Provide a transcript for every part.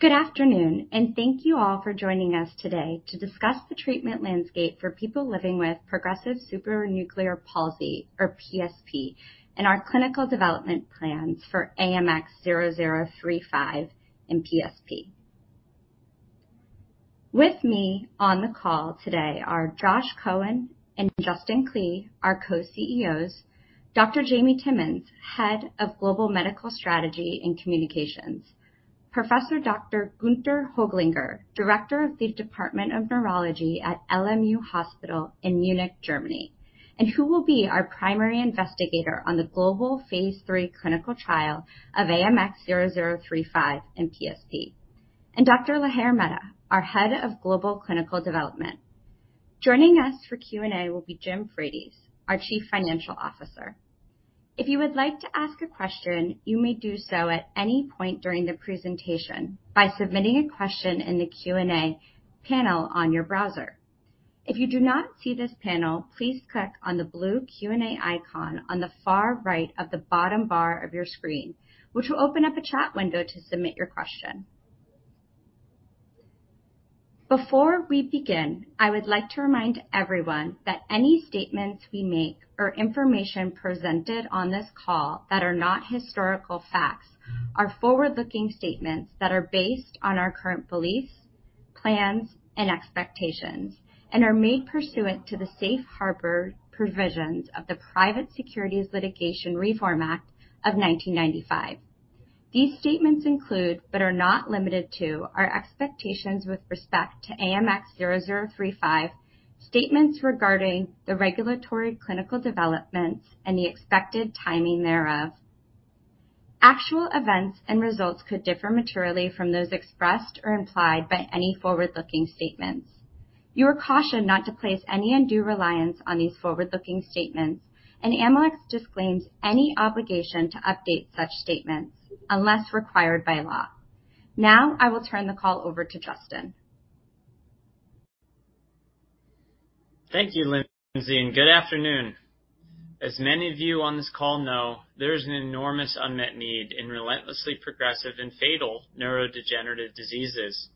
Good afternoon. Thank you all for joining us today to discuss the treatment landscape for people living with progressive supranuclear palsy, or PSP, and our clinical development plans for AMX0035 in PSP. With me on the call today are Josh Cohen and Justin Klee, our co-CEOs, Dr. Jamie Timmons, Head of Global Medical Strategy and Communications, Professor Dr. Günter Höglinger, Director of the Department of Neurology at LMU Hospital in Munich, Germany, and who will be our primary investigator on the global phase III clinical trial of AMX0035 in PSP, and Dr. Lahar Mehta, our Head of Global Clinical Development. Joining us for Q&A will be Jim Frates, our Chief Financial Officer. If you would like to ask a question, you may do so at any point during the presentation by submitting a question in the Q&A panel on your browser. If you do not see this panel, please click on the blue Q&A icon on the far right of the bottom bar of your screen, which will open up a chat window to submit your question. Before we begin, I would like to remind everyone that any statements we make or information presented on this call that are not historical facts are forward-looking statements that are based on our current beliefs, plans, and expectations, and are made pursuant to the Safe Harbor provisions of the Private Securities Litigation Reform Act of 1995. These statements include, but are not limited to, our expectations with respect to AMX0035, statements regarding the regulatory clinical developments and the expected timing thereof. Actual events and results could differ materially from those expressed or implied by any forward-looking statements. You are cautioned not to place any undue reliance on these forward-looking statements, and Amylyx disclaims any obligation to update such statements unless required by law. Now, I will turn the call over to Justin. Thank you, Lindsey, and good afternoon. As many of you on this call know, there is an enormous unmet need in relentlessly progressive and fatal neurodegenerative diseases.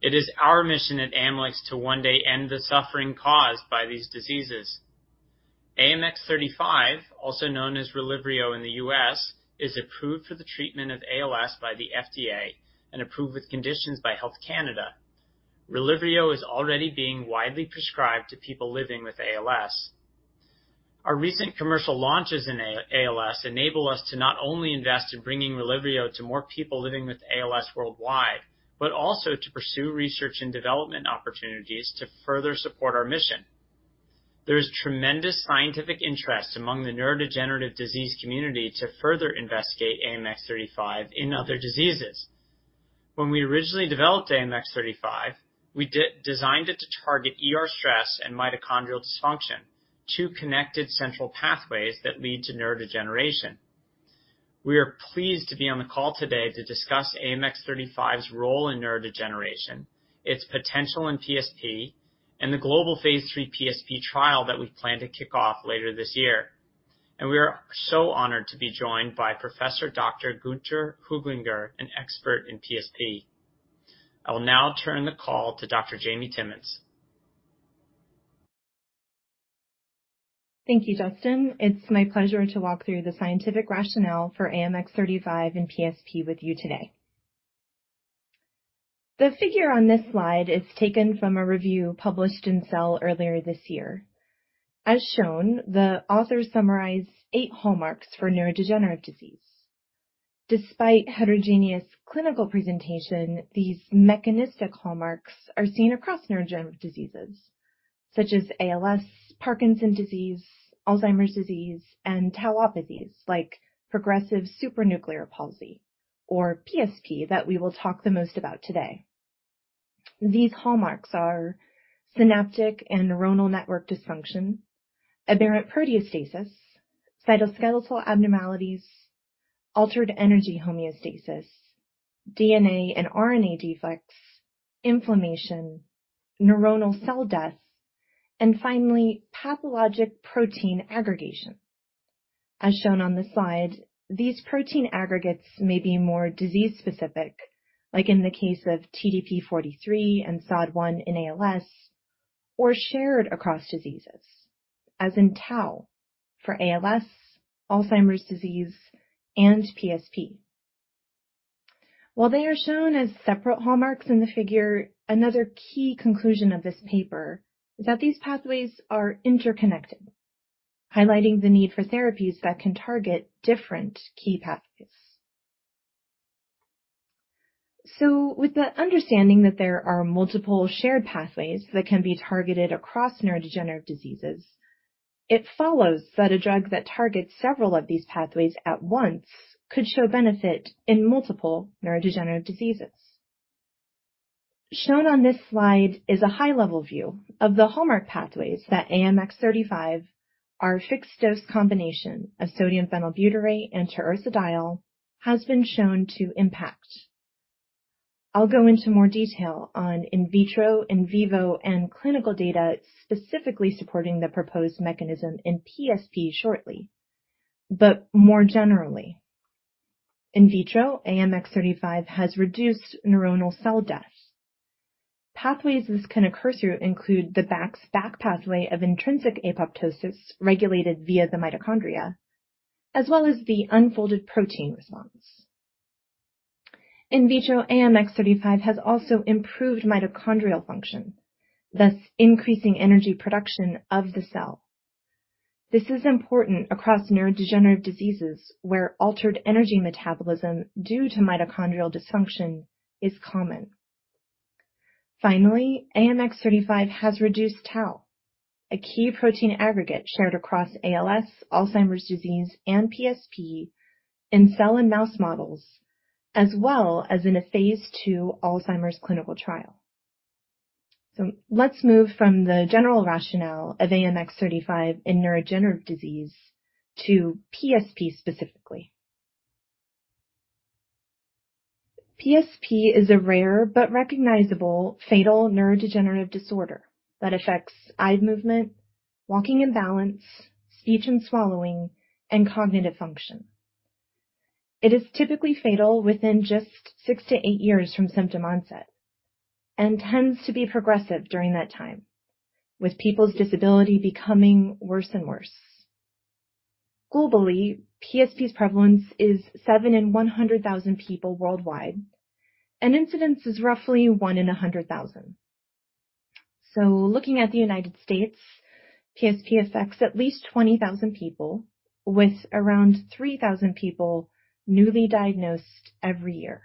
It is our mission at Amylyx to one day end the suffering caused by these diseases. AMX0035, also known as Relyvrio in the U.S., is approved for the treatment of ALS by the FDA and approved with conditions by Health Canada. Relyvrio is already being widely prescribed to people living with ALS. Our recent commercial launches in ALS enable us to not only invest in bringing Relyvrio to more people living with ALS worldwide, but also to pursue research and development opportunities to further support our mission. There is tremendous scientific interest among the neurodegenerative disease community to further investigate AMX0035 in other diseases. When we originally developed AMX0035, we designed it to target ER stress and mitochondrial dysfunction, two connected central pathways that lead to neurodegeneration. We are pleased to be on the call today to discuss AMX0035's role in neurodegeneration, its potential in PSP, and the global phase III PSP trial that we plan to kick off later this year. We are so honored to be joined by Professor Dr. Günter Höglinger, an expert in PSP. I will now turn the call to Dr. Jamie Timmons. Thank you, Justin. It's my pleasure to walk through the scientific rationale for AMX0035 and PSP with you today. The figure on this slide is taken from a review published in Cell earlier this year. As shown, the authors summarized eight hallmarks for neurodegenerative disease. Despite heterogeneous clinical presentation, these mechanistic hallmarks are seen across neurodegenerative diseases such as ALS, Parkinson's disease, Alzheimer's disease, and tauopathies like progressive supranuclear palsy or PSP, that we will talk the most about today. These hallmarks are synaptic and neuronal network dysfunction, aberrant proteostasis, cytoskeletal abnormalities, altered energy homeostasis, DNA and RNA defects, inflammation, neuronal cell death, and finally, pathologic protein aggregation. As shown on this slide, these protein aggregates may be more disease specific, like in the case of TDP-43 and SOD1 in ALS, or shared across diseases, as in tau for ALS, Alzheimer's disease, and PSP. While they are shown as separate hallmarks in the figure, another key conclusion of this paper is that these pathways are interconnected, highlighting the need for therapies that can target different key pathways. With the understanding that there are multiple shared pathways that can be targeted across neurodegenerative diseases, it follows that a drug that targets several of these pathways at once could show benefit in multiple neurodegenerative diseases. Shown on this slide is a high-level view of the hallmark pathways that AMX0035, our fixed dose combination of sodium phenylbutyrate and taurursodiol, has been shown to impact. I'll go into more detail on in vitro, in vivo, and clinical data, specifically supporting the proposed mechanism in PSP shortly. More generally, in vitro, AMX0035 has reduced neuronal cell death. Pathways this can occur through include the Bax/Bak pathway of intrinsic apoptosis, regulated via the mitochondria, as well as the unfolded protein response. In vitro, AMX0035 has also improved mitochondrial function, thus increasing energy production of the cell. This is important across neurodegenerative diseases, where altered energy metabolism due to mitochondrial dysfunction is common. Finally, AMX0035 has reduced tau, a key protein aggregate shared across ALS, Alzheimer's disease, and PSP in cell and mouse models, as well as in a phase II Alzheimer's clinical trial. Let's move from the general rationale of AMX0035 in neurodegenerative disease to PSP specifically. PSP is a rare but recognizable fatal neurodegenerative disorder that affects eye movement, walking and balance, speech and swallowing, and cognitive function. It is typically fatal within just six to eight years from symptom onset and tends to be progressive during that time, with people's disability becoming worse and worse. Globally, PSP's prevalence is seven in 100,000 people worldwide, and incidence is roughly one in 100,000. Looking at the United States, PSP affects at least 20,000 people, with around 3,000 people newly diagnosed every year.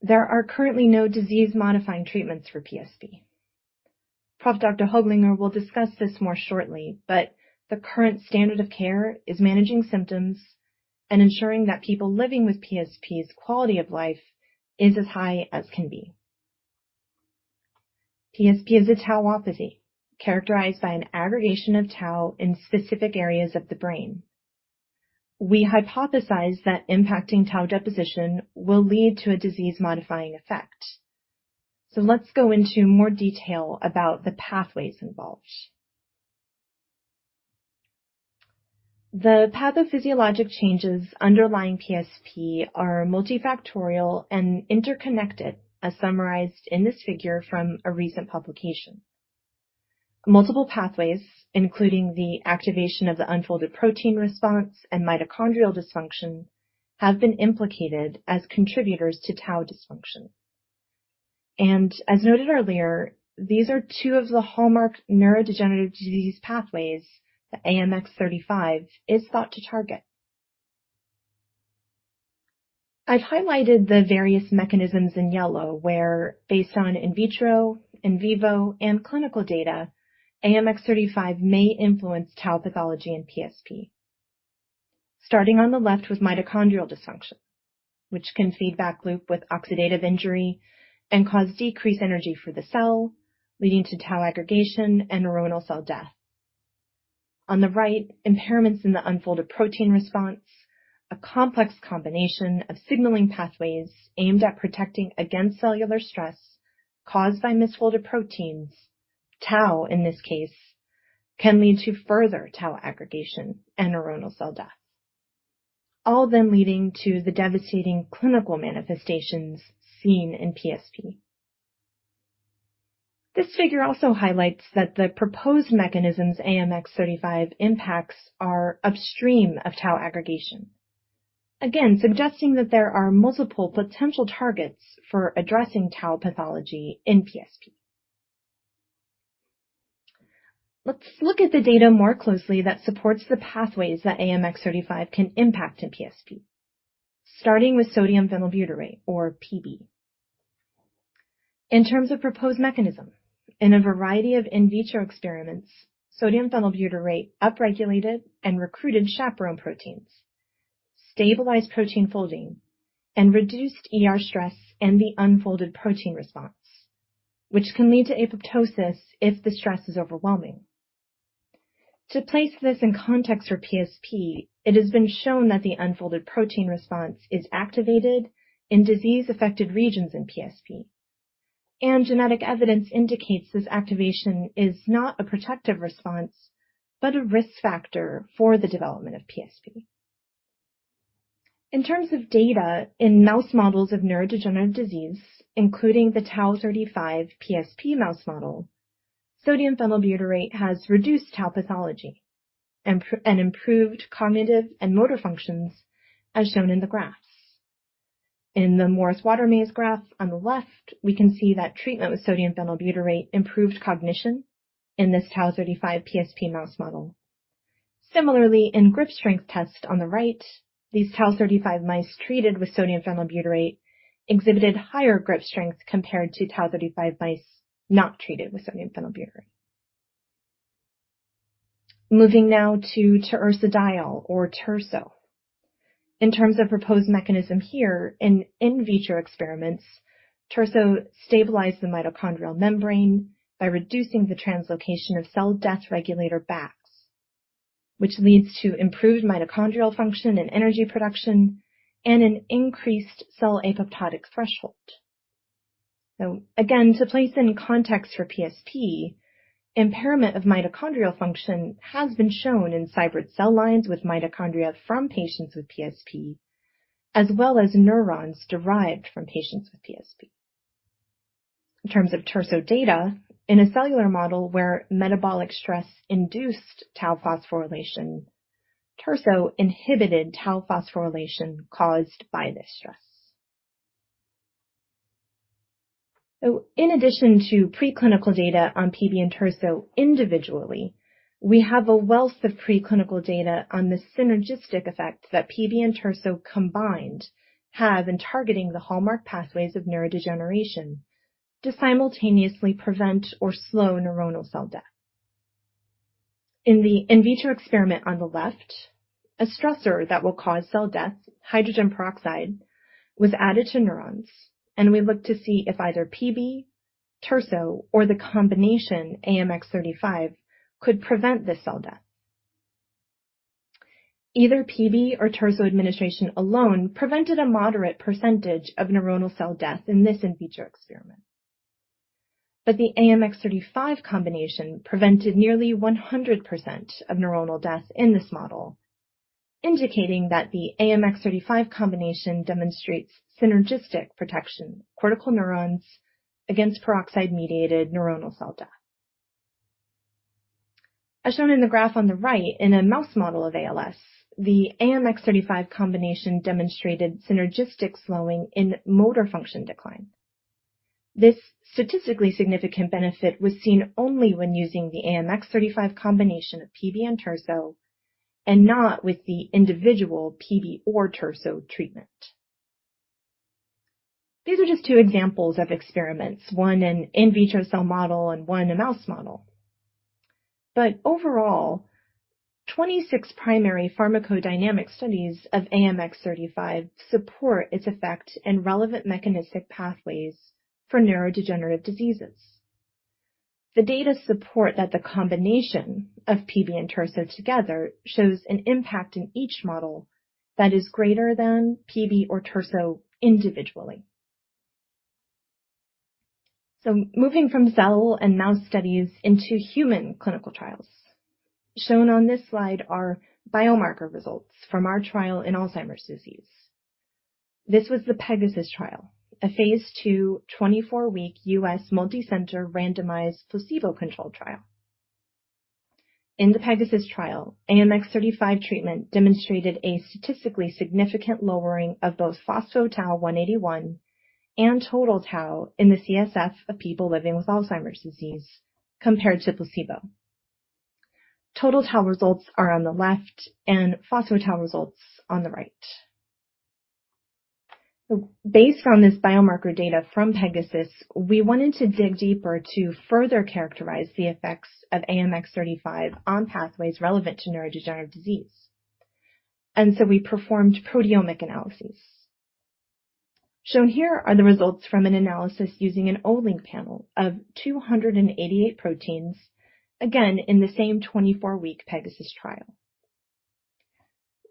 There are currently no disease-modifying treatments for PSP. Prof. Dr. Höglinger will discuss this more shortly, but the current standard of care is managing symptoms and ensuring that people living with PSP's quality of life is as high as can be. PSP is a tauopathy characterized by an aggregation of tau in specific areas of the brain. We hypothesize that impacting tau deposition will lead to a disease-modifying effect. Let's go into more detail about the pathways involved. The pathophysiologic changes underlying PSP are multifactorial and interconnected, as summarized in this figure from a recent publication. Multiple pathways, including the activation of the unfolded protein response and mitochondrial dysfunction, have been implicated as contributors to tau dysfunction. As noted earlier, these are two of the hallmark neurodegenerative disease pathways that AMX0035 is thought to target. I've highlighted the various mechanisms in yellow where, based on in vitro, in vivo, and clinical data, AMX0035 may influence tau pathology and PSP. Starting on the left with mitochondrial dysfunction, which can feedback loop with oxidative injury and cause decreased energy for the cell, leading to tau aggregation and neuronal cell death. On the right, impairments in the unfolded protein response, a complex combination of signaling pathways aimed at protecting against cellular stress caused by misfolded proteins. Tau, in this case, can lead to further tau aggregation and neuronal cell death, all then leading to the devastating clinical manifestations seen in PSP. This figure also highlights that the proposed mechanisms AMX0035 impacts are upstream of tau aggregation, again suggesting that there are multiple potential targets for addressing tau pathology in PSP. Let's look at the data more closely that supports the pathways that AMX0035 can impact in PSP, starting with sodium phenylbutyrate or PB. In terms of proposed mechanism, in a variety of in vitro experiments, sodium phenylbutyrate upregulated and recruited chaperone proteins, stabilized protein folding, and reduced ER stress and the unfolded protein response, which can lead to apoptosis if the stress is overwhelming. To place this in context for PSP, it has been shown that the unfolded protein response is activated in disease-affected regions in PSP, and genetic evidence indicates this activation is not a protective response, but a risk factor for the development of PSP. In terms of data in mouse models of neurodegenerative disease, including the Tau35 PSP mouse model, sodium phenylbutyrate has reduced tau pathology and improved cognitive and motor functions, as shown in the graphs. In the Morris water maze graph on the left, we can see that treatment with sodium phenylbutyrate improved cognition in this Tau35 PSP mouse model. Similarly, in grip strength test on the right, these Tau35 mice treated with sodium phenylbutyrate exhibited higher grip strength compared to Tau35 mice not treated with sodium phenylbutyrate. Moving now to taurursodiol or TURSO. In terms of proposed mechanism here, in vitro experiments, TURSO stabilized the mitochondrial membrane by reducing the translocation of cell death regulator Bax, which leads to improved mitochondrial function and energy production and an increased cell apoptotic threshold. Again, to place in context for PSP, impairment of mitochondrial function has been shown in cybrid cell lines with mitochondria from patients with PSP, as well as neurons derived from patients with PSP. In terms of TURSO data, in a cellular model where metabolic stress induced tau phosphorylation, TURSO inhibited tau phosphorylation caused by this stress. In addition to preclinical data on PB and TURSO individually, we have a wealth of preclinical data on the synergistic effects that PB and TURSO combined have in targeting the hallmark pathways of neurodegeneration to simultaneously prevent or slow neuronal cell death. In the in vitro experiment on the left, a stressor that will cause cell death, hydrogen peroxide, was added to neurons, and we looked to see if either PB, TURSO, or the combination AMX0035 could prevent this cell death. Either PB or TURSO administration alone prevented a moderate % of neuronal cell death in this in vitro experiment. The AMX0035 combination prevented nearly 100% of neuronal death in this model, indicating that the AMX0035 combination demonstrates synergistic protection of cortical neurons against peroxide-mediated neuronal cell death. As shown in the graph on the right in a mouse model of ALS, the AMX0035 combination demonstrated synergistic slowing in motor function decline. This statistically significant benefit was seen only when using the AMX0035 combination of PB and TURSO, and not with the individual PB or TURSO treatment. These are just two examples of experiments, one an in vitro cell model and one a mouse model. Overall, 26 primary pharmacodynamic studies of AMX0035 support its effect and relevant mechanistic pathways for neurodegenerative diseases. The data support that the combination of PB and TURSO together shows an impact in each model that is greater than PB or TURSO individually. Moving from cell and mouse studies into human clinical trials. Shown on this slide are biomarker results from our trial in Alzheimer's disease. This was the PEGASUS trial, a phase II, 24-week U.S. multicenter randomized placebo-controlled trial. In the PEGASUS trial, AMX0035 treatment demonstrated a statistically significant lowering of both phospho-tau 181 and total tau in the CSF of people living with Alzheimer's disease compared to placebo. Total tau results are on the left and phospho-tau results on the right. Based on this biomarker data from PEGASUS, we wanted to dig deeper to further characterize the effects of AMX0035 on pathways relevant to neurodegenerative disease. We performed proteomic analyses. Shown here are the results from an analysis using an Olink panel of 288 proteins, again, in the same 24-week PEGASUS trial.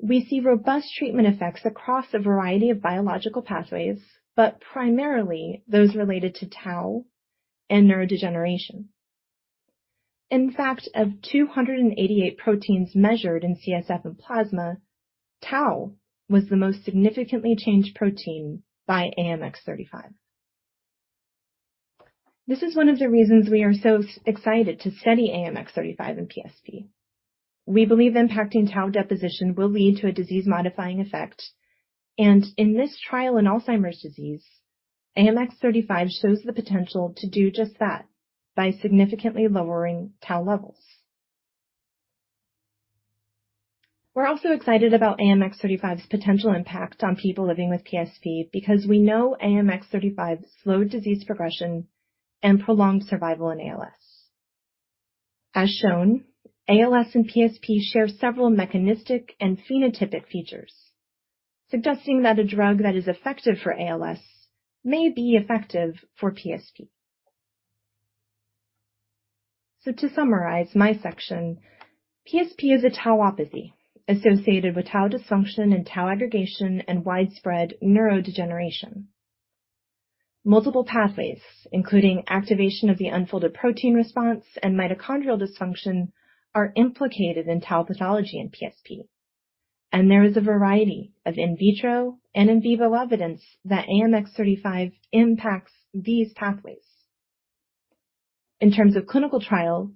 We see robust treatment effects across a variety of biological pathways, but primarily those related to tau and neurodegeneration. In fact, of 288 proteins measured in CSF and plasma, tau was the most significantly changed protein by AMX0035. This is one of the reasons we are so excited to study AMX0035 and PSP. We believe impacting tau deposition will lead to a disease-modifying effect, and in this trial in Alzheimer's disease, AMX0035 shows the potential to do just that by significantly lowering tau levels. We're also excited about AMX0035's potential impact on people living with PSP because we know AMX0035 slowed disease progression and prolonged survival in ALS. As shown, ALS and PSP share several mechanistic and phenotypic features, suggesting that a drug that is effective for ALS may be effective for PSP. To summarize my section, PSP is a tauopathy associated with tau dysfunction and tau aggregation and widespread neurodegeneration. Multiple pathways, including activation of the unfolded protein response and mitochondrial dysfunction, are implicated in tau pathology in PSP, and there is a variety of in vitro and in vivo evidence that AMX0035 impacts these pathways. In terms of clinical trials,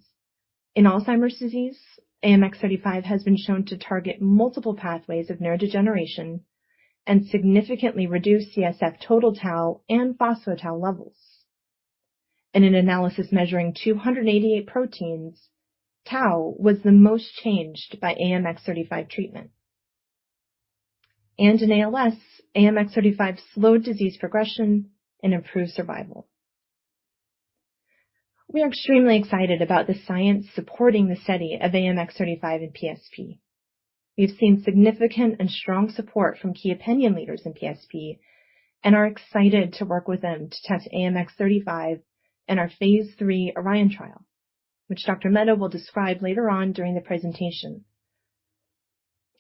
in Alzheimer's disease, AMX0035 has been shown to target multiple pathways of neurodegeneration and significantly reduce CSF total tau and phospho-tau levels. In an analysis measuring 288 proteins, tau was the most changed by AMX0035 treatment. In ALS, AMX35 slowed disease progression and improved survival. We are extremely excited about the science supporting the study of AMX0035 in PSP. We've seen significant and strong support from key opinion leaders in PSP and are excited to work with them to test AMX0035 in our phase III ORION trial, which Dr. Mehta will describe later on during the presentation.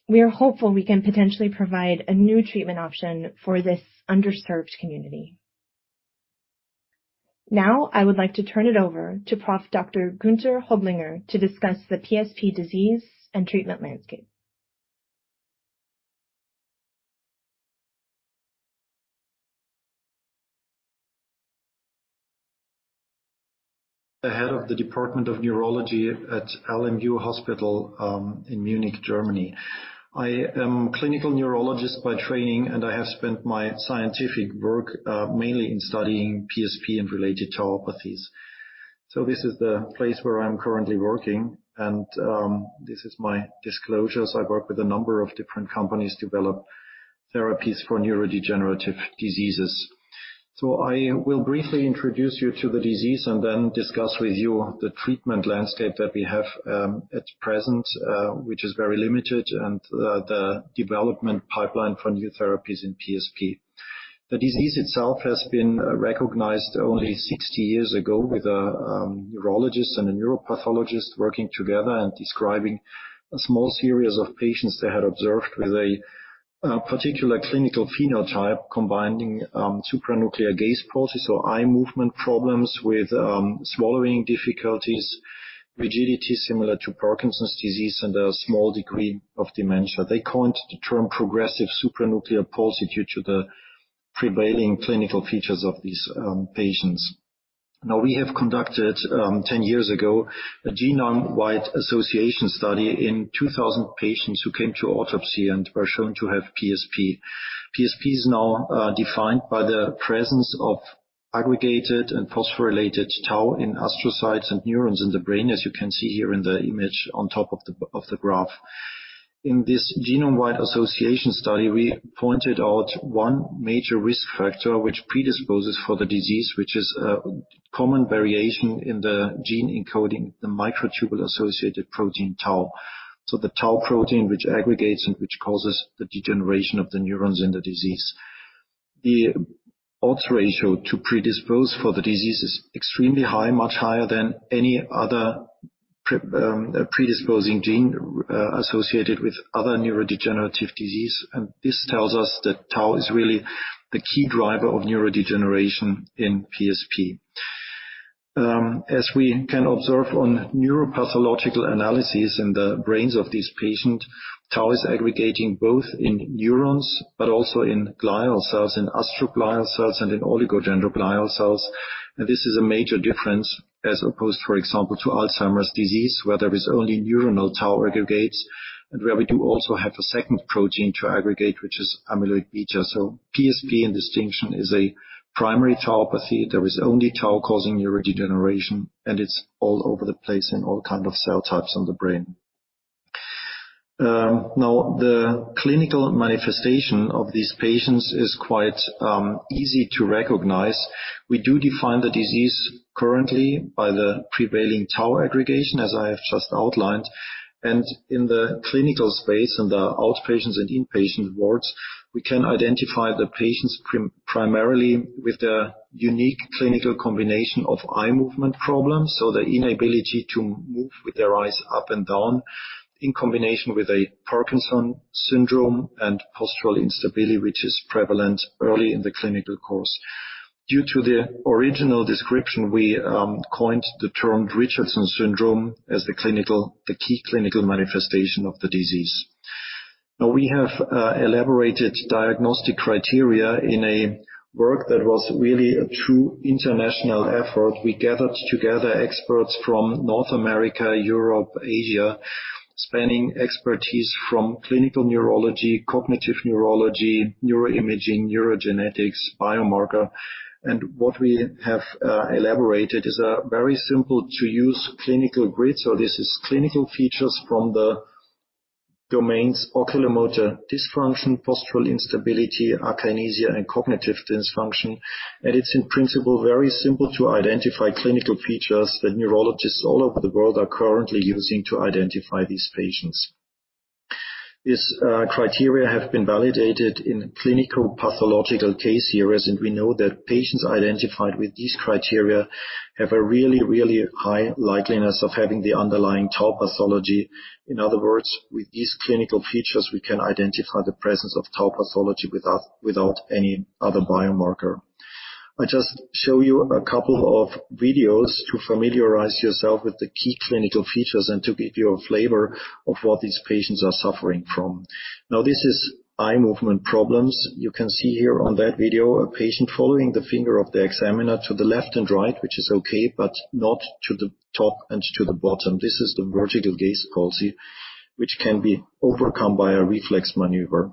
We are hopeful we can potentially provide a new treatment option for this underserved community. I would like to turn it over to Prof. Dr. Günter Höglinger to discuss the PSP disease and treatment landscape. The head of the Department of Neurology at LMU Hospital in Munich, Germany. I am clinical neurologist by training, and I have spent my scientific work mainly in studying PSP and related tauopathies. This is the place where I'm currently working, and this is my disclosures. I work with a number of different companies, develop therapies for neurodegenerative diseases. I will briefly introduce you to the disease and then discuss with you the treatment landscape that we have at present, which is very limited, and the development pipeline for new therapies in PSP. The disease itself has been recognized only 60 years ago with a neurologist and a neuropathologist working together and describing a small series of patients they had observed with a particular clinical phenotype, combining supranuclear gaze palsy or eye movement problems with swallowing difficulties, rigidity similar to Parkinson's disease, and a small degree of dementia. They coined the term progressive supranuclear palsy due to the prevailing clinical features of these patients. We have conducted 10 years ago, a genome-wide association study in 2,000 patients who came to autopsy and were shown to have PSP. PSP is now defined by the presence of aggregated and phosphorylated tau in astrocytes and neurons in the brain, as you can see here in the image on top of the graph. In this genome-wide association study, we pointed out one major risk factor which predisposes for the disease, which is a common variation in the gene encoding the microtubule-associated protein tau. The tau protein, which aggregates and which causes the degeneration of the neurons in the disease. The odds ratio to predispose for the disease is extremely high, much higher than any other predisposing gene associated with other neurodegenerative disease. This tells us that tau is really the key driver of neurodegeneration in PSP. As we can observe on neuropathological analyses in the brains of these patients, tau is aggregating both in neurons but also in glial cells, in astroglial cells and in oligodendroglial cells. This is a major difference as opposed, for example, to Alzheimer's disease, where there is only neuronal tau aggregates, and where we do also have a second protein to aggregate, which is amyloid beta. PSP, in distinction, is a primary tauopathy. There is only tau causing neurodegeneration, and it's all over the place in all kind of cell types in the brain. Now, the clinical manifestation of these patients is quite easy to recognize. We do define the disease currently by the prevailing tau aggregation, as I have just outlined, and in the clinical space and the outpatients and inpatient wards, we can identify the patients primarily with the unique clinical combination of eye movement problems, so the inability to move with their eyes up and down, in combination with a Parkinson syndrome and postural instability, which is prevalent early in the clinical course. Due to the original description, we coined the term Richardson syndrome as the key clinical manifestation of the disease. We have elaborated diagnostic criteria in a work that was really a true international effort. We gathered together experts from North America, Europe, Asia, spanning expertise from clinical neurology, cognitive neurology, neuroimaging, neurogenetics, biomarker. What we have elaborated is a very simple-to-use clinical grid. This is clinical features from the domains oculomotor dysfunction, postural instability, akinesia, and cognitive dysfunction. It's in principle, very simple to identify clinical features that neurologists all over the world are currently using to identify these patients. These criteria have been validated in clinical pathological case series, we know that patients identified with these criteria have a really high likeliness of having the underlying tau pathology. In other words, with these clinical features, we can identify the presence of tau pathology without any other biomarker. I just show you a couple of videos to familiarize yourself with the key clinical features and to give you a flavor of what these patients are suffering from. This is eye movement problems. You can see here on that video, a patient following the finger of the examiner to the left and right, which is okay, but not to the top and to the bottom. This is the vertical gaze palsy, which can be overcome by a reflex maneuver.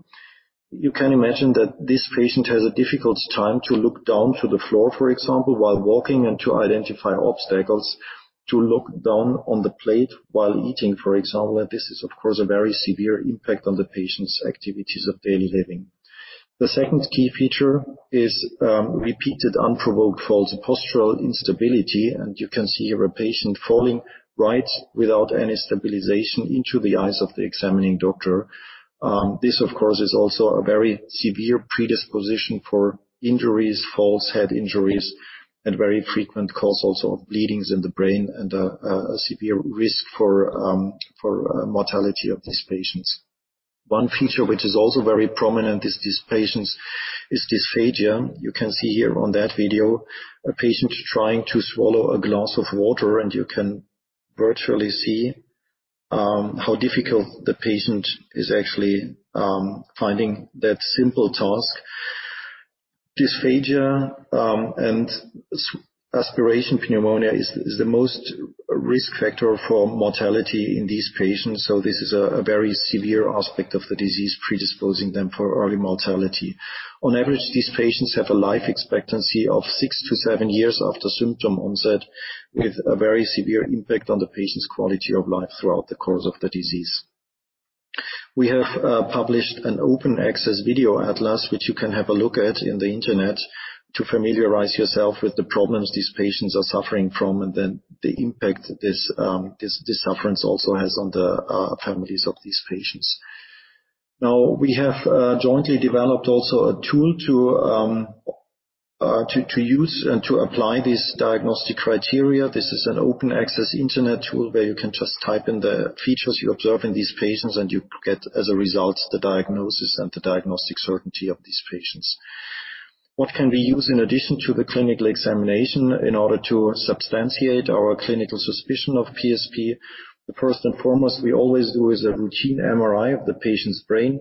You can imagine that this patient has a difficult time to look down to the floor, for example, while walking and to identify obstacles, to look down on the plate while eating, for example. This is, of course, a very severe impact on the patient's activities of daily living. The second key feature is repeated unprovoked falls and postural instability. You can see here a patient falling right without any stabilization into the eyes of the examining doctor. This, of course, is also a very severe predisposition for injuries, falls, head injuries, and very frequent causes of bleedings in the brain and a severe risk for mortality of these patients. One feature which is also very prominent is these patients, is dysphagia. You can see here on that video, a patient trying to swallow a glass of water. You can virtually see how difficult the patient is actually finding that simple task. Dysphagia and aspiration pneumonia is the most risk factor for mortality in these patients. This is a very severe aspect of the disease, predisposing them for early mortality. On average, these patients have a life expectancy of six to seven years after symptom onset, with a very severe impact on the patient's quality of life throughout the course of the disease. We have published an open access video atlas, which you can have a look at in the Internet, to familiarize yourself with the problems these patients are suffering from. The impact this suffering also has on the families of these patients. We have jointly developed also a tool to use and to apply these diagnostic criteria. This is an open access Internet tool, where you can just type in the features you observe in these patients, and you get, as a result, the diagnosis and the diagnostic certainty of these patients. What can we use in addition to the clinical examination in order to substantiate our clinical suspicion of PSP? The first and foremost, we always do is a routine MRI of the patient's brain,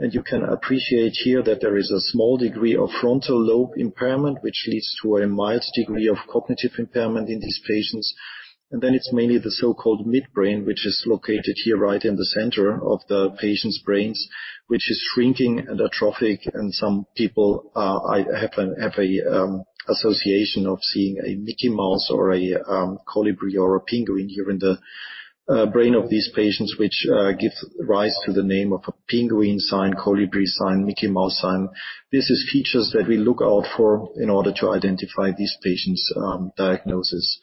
you can appreciate here that there is a small degree of frontal lobe impairment, which leads to a mild degree of cognitive impairment in these patients. It's mainly the so-called midbrain, which is located here, right in the center of the patient's brains, which is shrinking and atrophic. Some people have an association of seeing a Mickey Mouse sign or a colibri sign or a penguin here in the brain of these patients, which gives rise to the name of a penguin sign, colibri sign, Mickey Mouse sign. This is features that we look out for in order to identify these patients' diagnosis.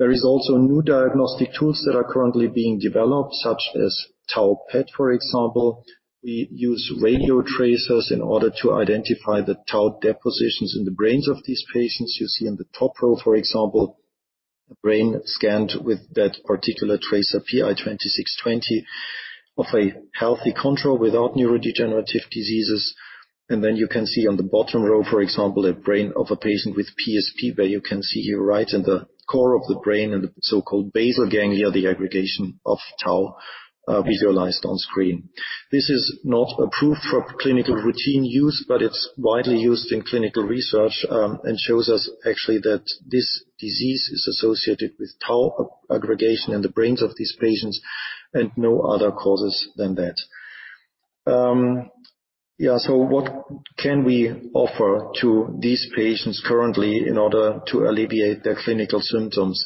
There is also new diagnostic tools that are currently being developed, such as tau PET, for example. We use radiotracers in order to identify the tau depositions in the brains of these patients. You see in the top row, for example, a brain scanned with that particular tracer, PI 2620, of a healthy control without neurodegenerative diseases. You can see on the bottom row, for example, a brain of a patient with PSP, where you can see here, right in the core of the brain, and the so-called basal ganglia, the aggregation of tau, visualized on screen. This is not approved for clinical routine use, but it's widely used in clinical research, and shows us actually that this disease is associated with tau aggregation in the brains of these patients, and no other causes than that. What can we offer to these patients currently in order to alleviate their clinical symptoms?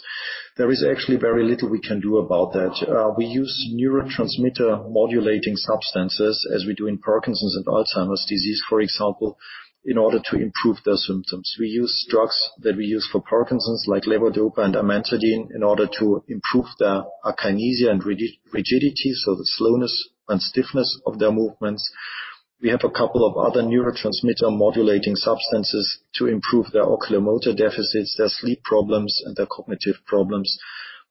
There is actually very little we can do about that. We use neurotransmitter modulating substances, as we do in Parkinson's and Alzheimer's disease, for example, in order to improve their symptoms. We use drugs that we use for Parkinson's, like levodopa and amantadine, in order to improve their akinesia and rigidity, so the slowness and stiffness of their movements. We have a couple of other neurotransmitter-modulating substances to improve their oculomotor deficits, their sleep problems, and their cognitive problems.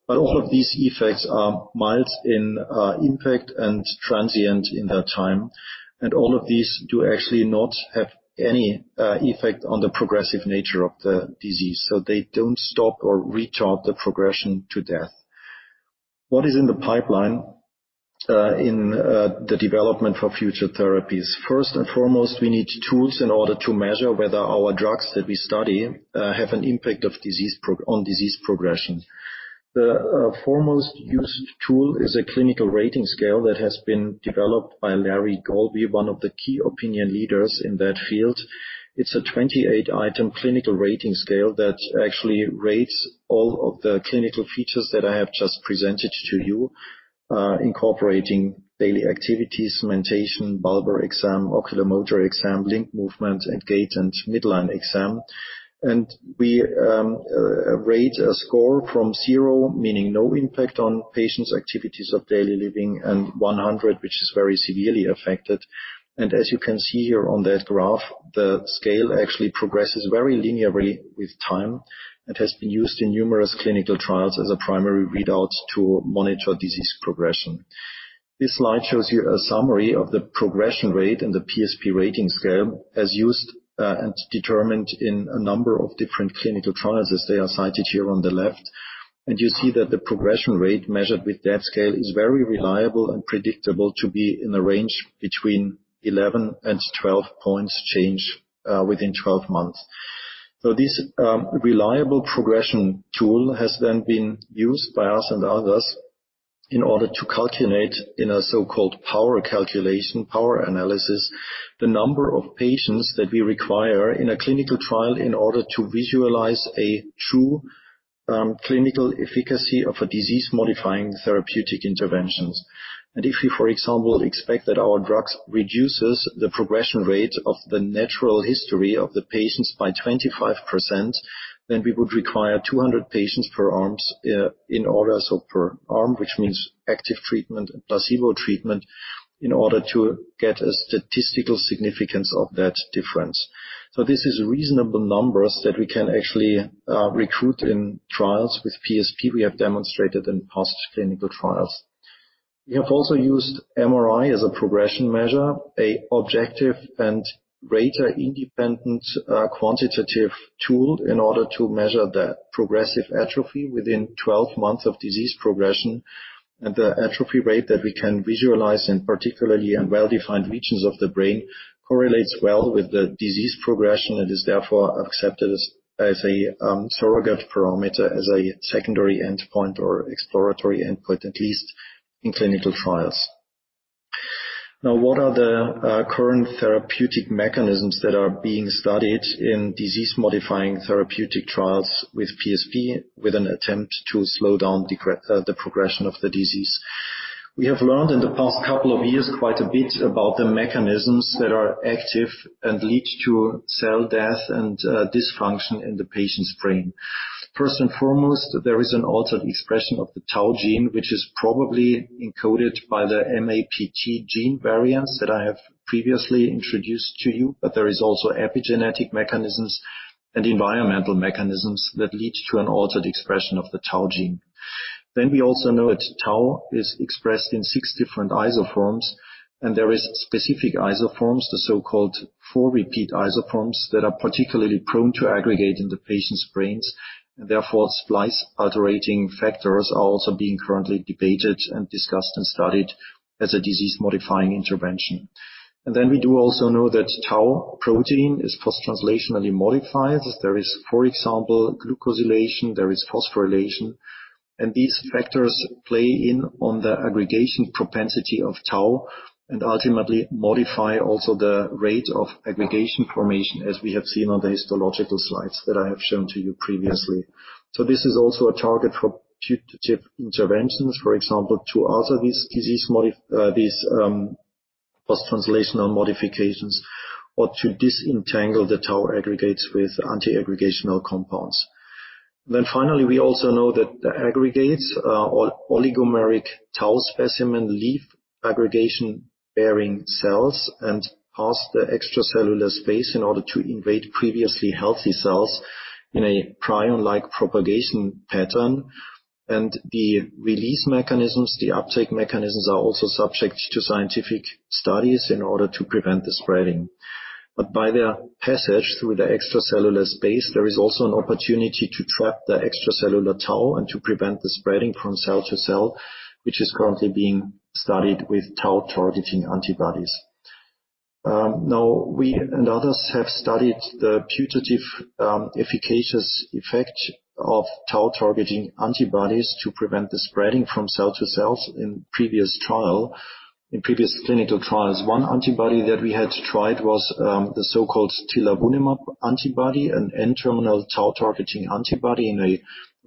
All of these effects are mild in impact and transient in their time, and all of these do actually not have any effect on the progressive nature of the disease, so they don't stop or retard the progression to death. What is in the pipeline in the development for future therapies? First and foremost, we need tools in order to measure whether our drugs that we study have an impact of disease on disease progression. The foremost used tool is a clinical rating scale that has been developed by Larry Golbe, one of the key opinion leaders in that field. It's a 28-item clinical rating scale that actually rates all of the clinical features that I have just presented to you, incorporating daily activities, mentation, bulbar exam, oculomotor exam, limb movement, and gait and midline exam. We rate a score from 0, meaning no impact on patients' activities of daily living, and 100, which is very severely affected. As you can see here on that graph, the scale actually progresses very linearly with time and has been used in numerous clinical trials as a primary readout to monitor disease progression. This slide shows you a summary of the progression rate and the PSP Rating Scale, as used, and determined in a number of different clinical trials, as they are cited here on the left. You see that the progression rate measured with that scale is very reliable and predictable to be in the range between 11 and 12 points change, within 12 months. This reliable progression tool has then been used by us and others in order to calculate, in a so-called power calculation, power analysis, the number of patients that we require in a clinical trial in order to visualize a true clinical efficacy of a disease-modifying therapeutic interventions. If we, for example, expect that our drugs reduces the progression rate of the natural history of the patients by 25%, then we would require 200 patients per arm, which means active treatment and placebo treatment, in order to get a statistical significance of that difference. This is reasonable numbers that we can actually recruit in trials with PSP. We have demonstrated in past clinical trials. We have also used MRI as a progression measure, a objective and rater independent, quantitative tool in order to measure the progressive atrophy within 12 months of disease progression. The atrophy rate that we can visualize, and particularly in well-defined regions of the brain, correlates well with the disease progression, and is therefore accepted as a surrogate parameter, as a secondary endpoint or exploratory endpoint, at least in clinical trials. What are the current therapeutic mechanisms that are being studied in disease-modifying therapeutic trials with PSP, with an attempt to slow down the progression of the disease? We have learned in the past couple of years, quite a bit about the mechanisms that are active and lead to cell death and dysfunction in the patient's brain. There is an altered expression of the tau gene, which is probably encoded by the MAPT gene variants that I have previously introduced to you, but there is also epigenetic mechanisms and environmental mechanisms that lead to an altered expression of the tau gene. We also know that tau is expressed in six different isoforms, and there is specific isoforms, the so-called four repeat isoforms, that are particularly prone to aggregate in the patient's brains, and therefore, splice altering factors are also being currently debated and discussed, and studied as a disease-modifying intervention. We do also know that tau protein is post-translationally modified. There is, for example, glucosylation, there is phosphorylation, and these factors play in on the aggregation propensity of tau, and ultimately modify also the rate of aggregation formation, as we have seen on the histological slides that I have shown to you previously. This is also a target for putative interventions, for example, to alter these post-translational modifications, or to disentangle the tau aggregates with anti-aggregational compounds. Finally, we also know that the aggregates or oligomeric tau specimen, leave aggregation-bearing cells and pass the extracellular space in order to invade previously healthy cells in a prion-like propagation pattern. The release mechanisms, the uptake mechanisms, are also subject to scientific studies in order to prevent the spreading. By their passage through the extracellular space, there is also an opportunity to trap the extracellular tau and to prevent the spreading from cell to cell, which is currently being studied with tau targeting antibodies. Now, we and others have studied the putative efficacious effect of tau targeting antibodies to prevent the spreading from cell to cells in previous clinical trials. One antibody that we had tried was the so-called tilanemap antibody, an N-terminal tau targeting antibody in a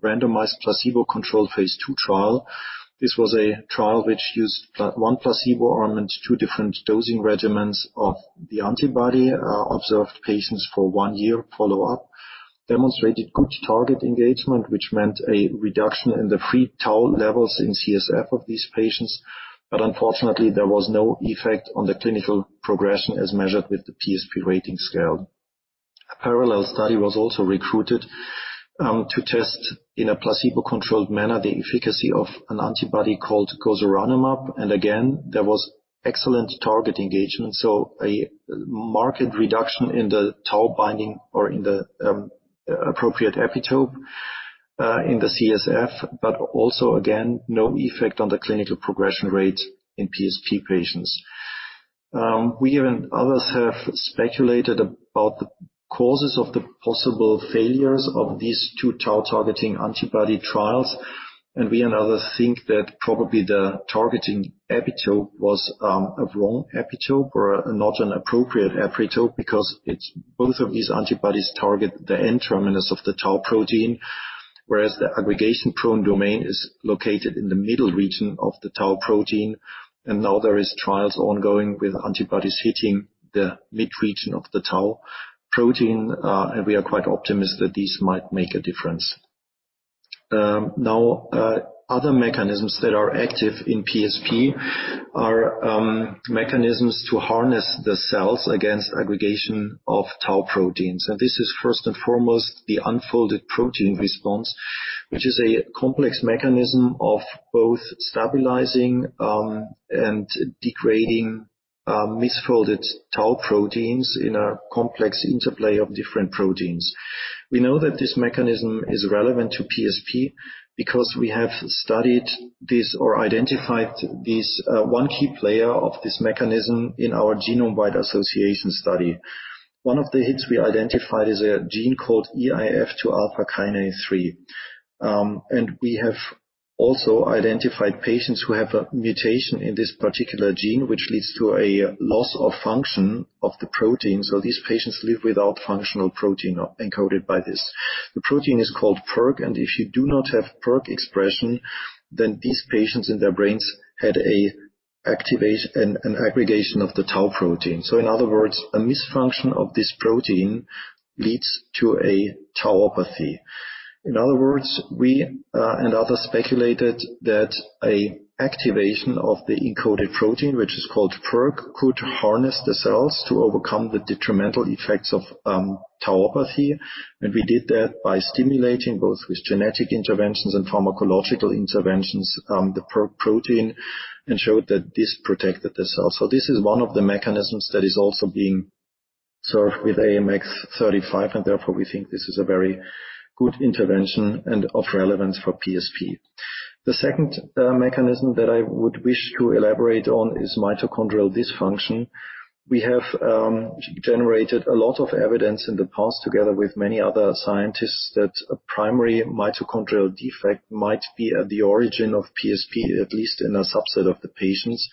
randomized placebo-controlled phase II trial. This was a trial which used 1 placebo arm and 2 different dosing regimens of the antibody, observed patients for 1 year follow-up, demonstrated good target engagement, which meant a reduction in the free tau levels in CSF of these patients. Unfortunately, there was no effect on the clinical progression as measured with the PSP Rating Scale. A parallel study was also recruited to test, in a placebo-controlled manner, the efficacy of an antibody called gozuranemab, and again, there was excellent target engagement, so a marked reduction in the tau binding or in the appropriate epitope in the CSF, but also, again, no effect on the clinical progression rate in PSP patients. We and others have speculated about the causes of the possible failures of these two tau targeting antibody trials, and we and others think that probably the targeting epitope was a wrong epitope or not an appropriate epitope, because both of these antibodies target the N terminus of the tau protein, whereas the aggregation-prone domain is located in the middle region of the tau protein. Now there is trials ongoing with antibodies hitting the mid region of the tau protein, and we are quite optimistic that these might make a difference. Now, other mechanisms that are active in PSP are mechanisms to harness the cells against aggregation of tau proteins. This is first and foremost the unfolded protein response, which is a complex mechanism of both stabilizing and degrading misfolded tau proteins in a complex interplay of different proteins. We know that this mechanism is relevant to PSP because we have studied this or identified this one key player of this mechanism in our genome-wide association study. One of the hits we identified is a gene called eIF2 alpha kinase 3. We have also identified patients who have a mutation in this particular gene, which leads to a loss of function of the protein, so these patients live without functional protein encoded by this. The protein is called PERK, and if you do not have PERK expression, then these patients in their brains had a activation, an aggregation of the tau protein. In other words, a misfunction of this protein leads to a tauopathy. In other words, we and others speculated that a activation of the encoded protein, which is called PERK, could harness the cells to overcome the detrimental effects of tauopathy. We did that by stimulating, both with genetic interventions and pharmacological interventions, the PERK protein, and showed that this protected the cell. This is one of the mechanisms that is also. With AMX0035, and therefore we think this is a very good intervention and of relevance for PSP. The second mechanism that I would wish to elaborate on is mitochondrial dysfunction. We have generated a lot of evidence in the past, together with many other scientists, that a primary mitochondrial defect might be at the origin of PSP, at least in a subset of the patients.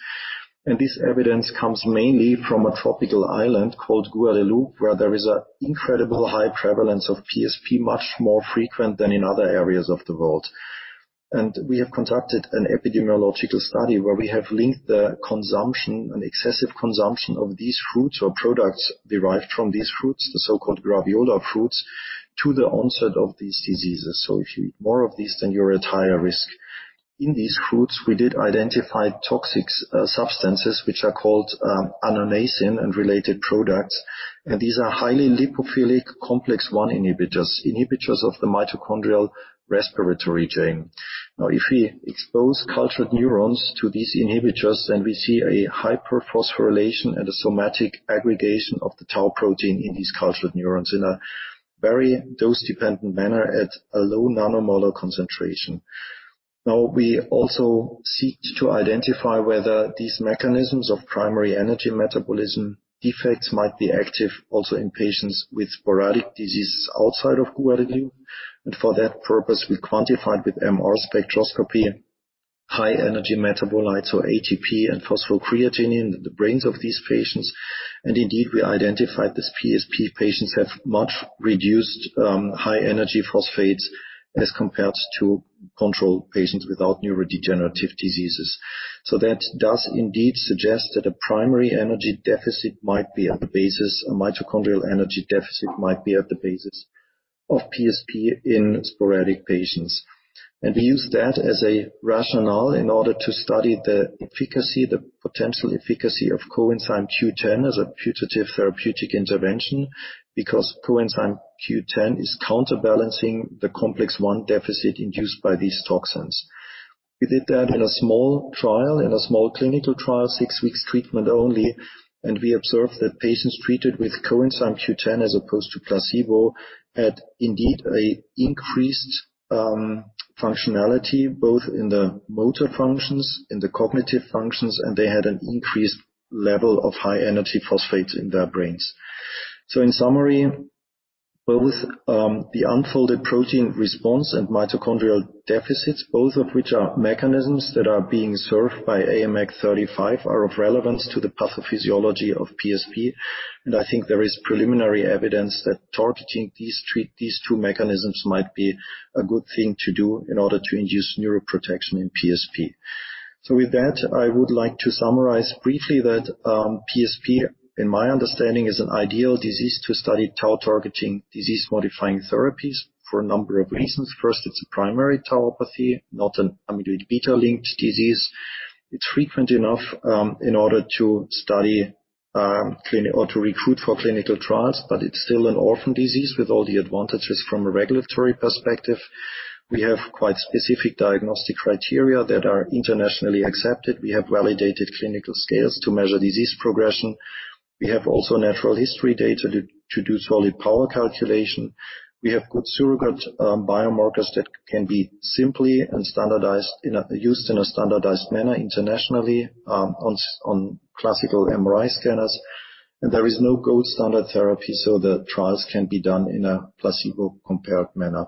This evidence comes mainly from a tropical island called Guadeloupe, where there is an incredible high prevalence of PSP, much more frequent than in other areas of the world. We have conducted an epidemiological study where we have linked the consumption and excessive consumption of these fruits or products derived from these fruits, the so-called graviola fruits, to the onset of these diseases. If you eat more of these, then you're at higher risk. In these fruits, we did identify toxic substances, which are called annonacin and related products, and these are highly lipophilic, complex I inhibitors of the mitochondrial respiratory chain. If we expose cultured neurons to these inhibitors, then we see a hyperphosphorylation and a somatic aggregation of the tau protein in these cultured neurons in a very dose-dependent manner at a low nanomolar concentration. We also seek to identify whether these mechanisms of primary energy metabolism defects might be active also in patients with sporadic diseases outside of Guadeloupe. For that purpose, we quantified with MR spectroscopy, high energy metabolites or ATP and phosphocreatine in the brains of these patients. Indeed, we identified these PSP patients have much reduced high energy phosphates as compared to control patients without neurodegenerative diseases. That does indeed suggest that a primary energy deficit, a mitochondrial energy deficit might be at the basis of PSP in sporadic patients. We use that as a rationale in order to study the efficacy, the potential efficacy of coenzyme Q10 as a putative therapeutic intervention, because coenzyme Q10 is counterbalancing the Complex I deficit induced by these toxins. We did that in a small trial, in a small clinical trial, six weeks treatment only, and we observed that patients treated with coenzyme Q10, as opposed to placebo, had indeed an increased functionality, both in the motor functions, in the cognitive functions, and they had an increased level of high-energy phosphates in their brains. In summary, both the unfolded protein response and mitochondrial deficits, both of which are mechanisms that are being served by AMX0035, are of relevance to the pathophysiology of PSP. I think there is preliminary evidence that targeting these two, these two mechanisms might be a good thing to do in order to induce neuroprotection in PSP. With that, I would like to summarize briefly that PSP, in my understanding, is an ideal disease to study tau targeting disease-modifying therapies for a number of reasons. First, it's a primary tauopathy, not an amyloid beta-linked disease. It's frequent enough in order to study clinic or to recruit for clinical trials, but it's still an orphan disease with all the advantages from a regulatory perspective. We have quite specific diagnostic criteria that are internationally accepted. We have validated clinical scales to measure disease progression. We have also natural history data to do solid power calculation. We have good surrogate biomarkers that can be simply and used in a standardized manner internationally on classical MRI scanners. There is no gold standard therapy, so the trials can be done in a placebo-compared manner.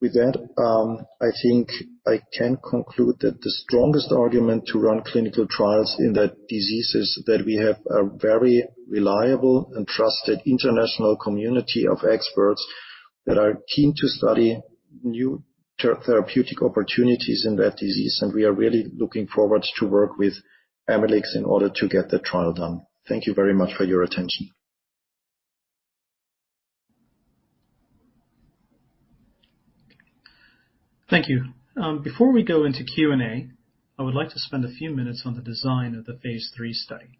With that, I think I can conclude that the strongest argument to run clinical trials in that disease is that we have a very reliable and trusted international community of experts that are keen to study new therapeutic opportunities in that disease. We are really looking forward to work with Amylyx in order to get the trial done. Thank you very much for your attention. Thank you. Before we go into Q&A, I would like to spend a few minutes on the design of the phase III study.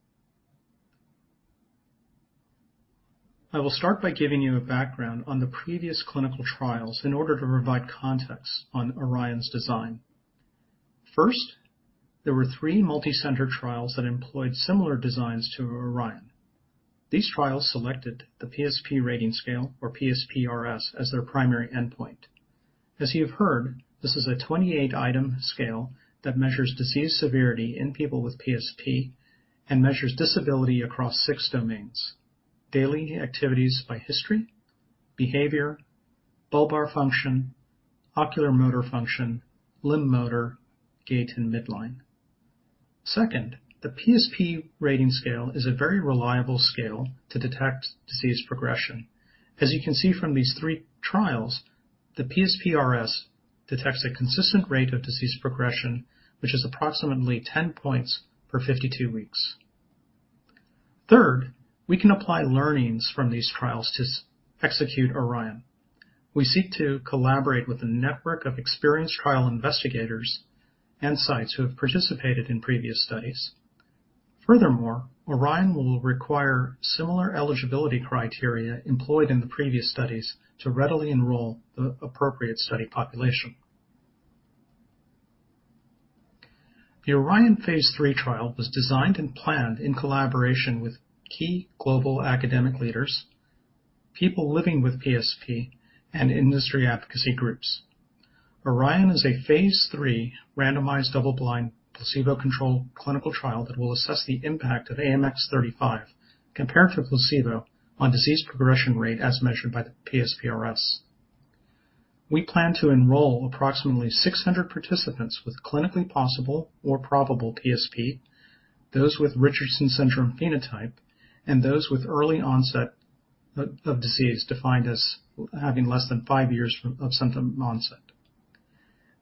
I will start by giving you a background on the previous clinical trials in order to provide context on ORION's design. There were three multi-center trials that employed similar designs to ORION. These trials selected the PSP Rating Scale or PSPRS, as their primary endpoint. As you've heard, this is a 28-item scale that measures disease severity in people with PSP and measures disability across six domains: daily activities by history, behavior, bulbar function, ocular motor function, limb motor, gait, and midline. The PSP Rating Scale is a very reliable scale to detect disease progression. As you can see from these three trials, the PSPRS detects a consistent rate of disease progression, which is approximately 10 points per 52 weeks. We can apply learnings from these trials to execute ORION. We seek to collaborate with a network of experienced trial investigators and sites who have participated in previous studies. ORION will require similar eligibility criteria employed in the previous studies to readily enroll the appropriate study population. The ORION Phase III trial was designed and planned in collaboration with key global academic leaders, people living with PSP and industry advocacy groups. ORION is a Phase III randomized, double-blind, placebo-controlled clinical trial that will assess the impact of AMX0035 compared to placebo on disease progression rate as measured by the PSPRS. We plan to enroll approximately 600 participants with clinically possible or probable PSP, those with Richardson syndrome phenotype, and those with early onset of disease defined as having less than five years of symptom onset.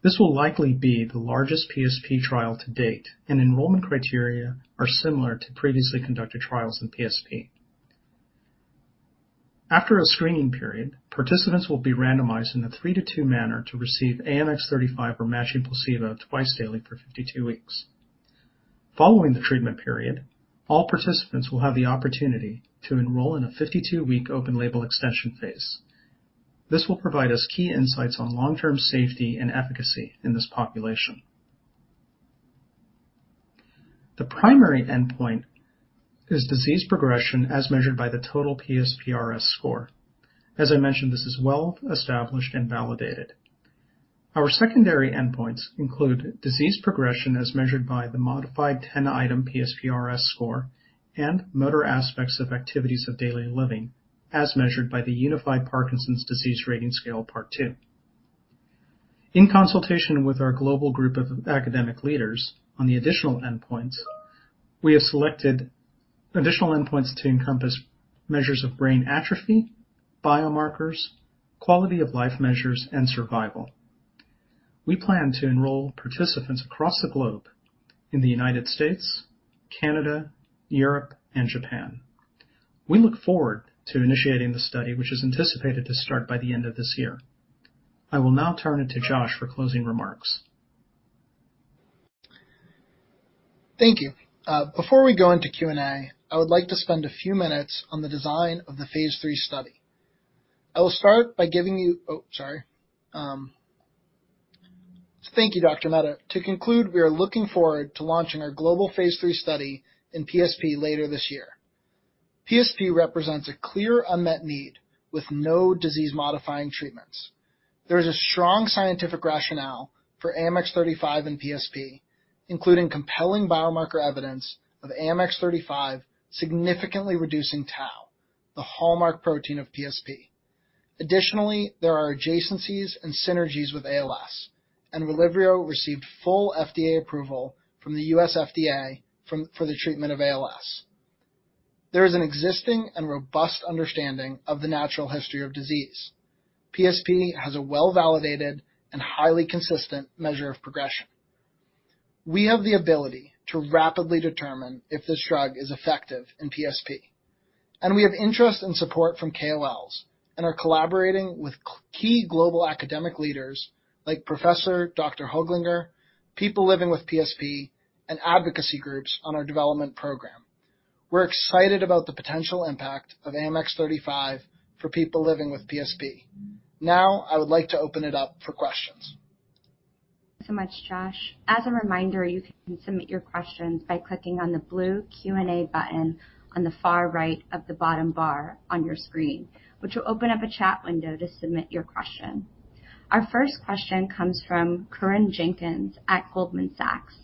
This will likely be the largest PSP trial to date. Enrollment criteria are similar to previously conducted trials in PSP. After a screening period, participants will be randomized in a 3 to 2 manner to receive AMX0035 or matching placebo twice daily for 52 weeks. Following the treatment period, all participants will have the opportunity to enroll in a 52-week open label extension phase. This will provide us key insights on long-term safety and efficacy in this population. The primary endpoint is disease progression, as measured by the total PSPRS score. As I mentioned, this is well established and validated. Our secondary endpoints include disease progression, as measured by the modified 10-item PSPRS score and motor aspects of activities of daily living, as measured by the Unified Parkinson's Disease Rating Scale, Part two. In consultation with our global group of academic leaders on the additional endpoints, we have selected additional endpoints to encompass measures of brain atrophy, biomarkers, quality of life measures, and survival. We plan to enroll participants across the globe in the United States, Canada, Europe, and Japan. We look forward to initiating the study, which is anticipated to start by the end of this year. I will now turn it to Josh for closing remarks. Thank you. Before we go into Q&A, I would like to spend a few minutes on the design of the phase III study. Thank you, Dr. Mehta. To conclude, we are looking forward to launching our global phase III study in PSP later this year. PSP represents a clear unmet need with no disease-modifying treatments. There is a strong scientific rationale for AMX0035 and PSP, including compelling biomarker evidence of AMX0035, significantly reducing tau, the hallmark protein of PSP. Additionally, there are adjacencies and synergies with ALS, and Relyvrio received full FDA approval from the US FDA for the treatment of ALS. There is an existing and robust understanding of the natural history of disease. PSP has a well-validated and highly consistent measure of progression. We have the ability to rapidly determine if this drug is effective in PSP. We have interest and support from KOLs, and are collaborating with key global academic leaders, like Professor Dr. Höglinger, people living with PSP, and advocacy groups on our development program. We're excited about the potential impact of AMX0035 for people living with PSP. I would like to open it up for questions. Thank you so much, Josh. As a reminder, you can submit your questions by clicking on the blue Q&A button on the far right of the bottom bar on your screen, which will open up a chat window to submit your question. Our first question comes from Corinne Jenkins at Goldman Sachs: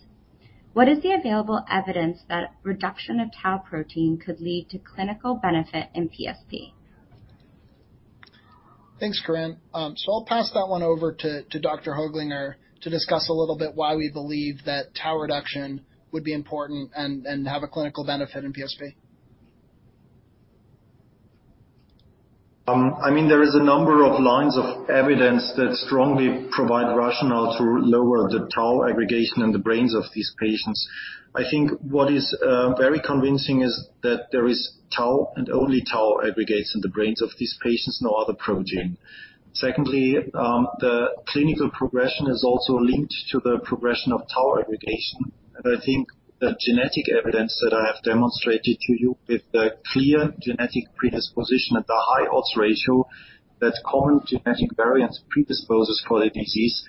What is the available evidence that reduction of tau protein could lead to clinical benefit in PSP? Thanks, Corinne. I'll pass that one over to Dr. Höglinger to discuss a little bit why we believe that tau reduction would be important and have a clinical benefit in PSP. I mean, there is a number of lines of evidence that strongly provide rationale to lower the tau aggregation in the brains of these patients. I think what is very convincing is that there is tau and only tau aggregates in the brains of these patients, no other protein. Secondly, the clinical progression is also linked to the progression of tau aggregation, and I think the genetic evidence that I have demonstrated to you with the clear genetic predisposition at the high odds ratio, that common genetic variants predisposes for the disease,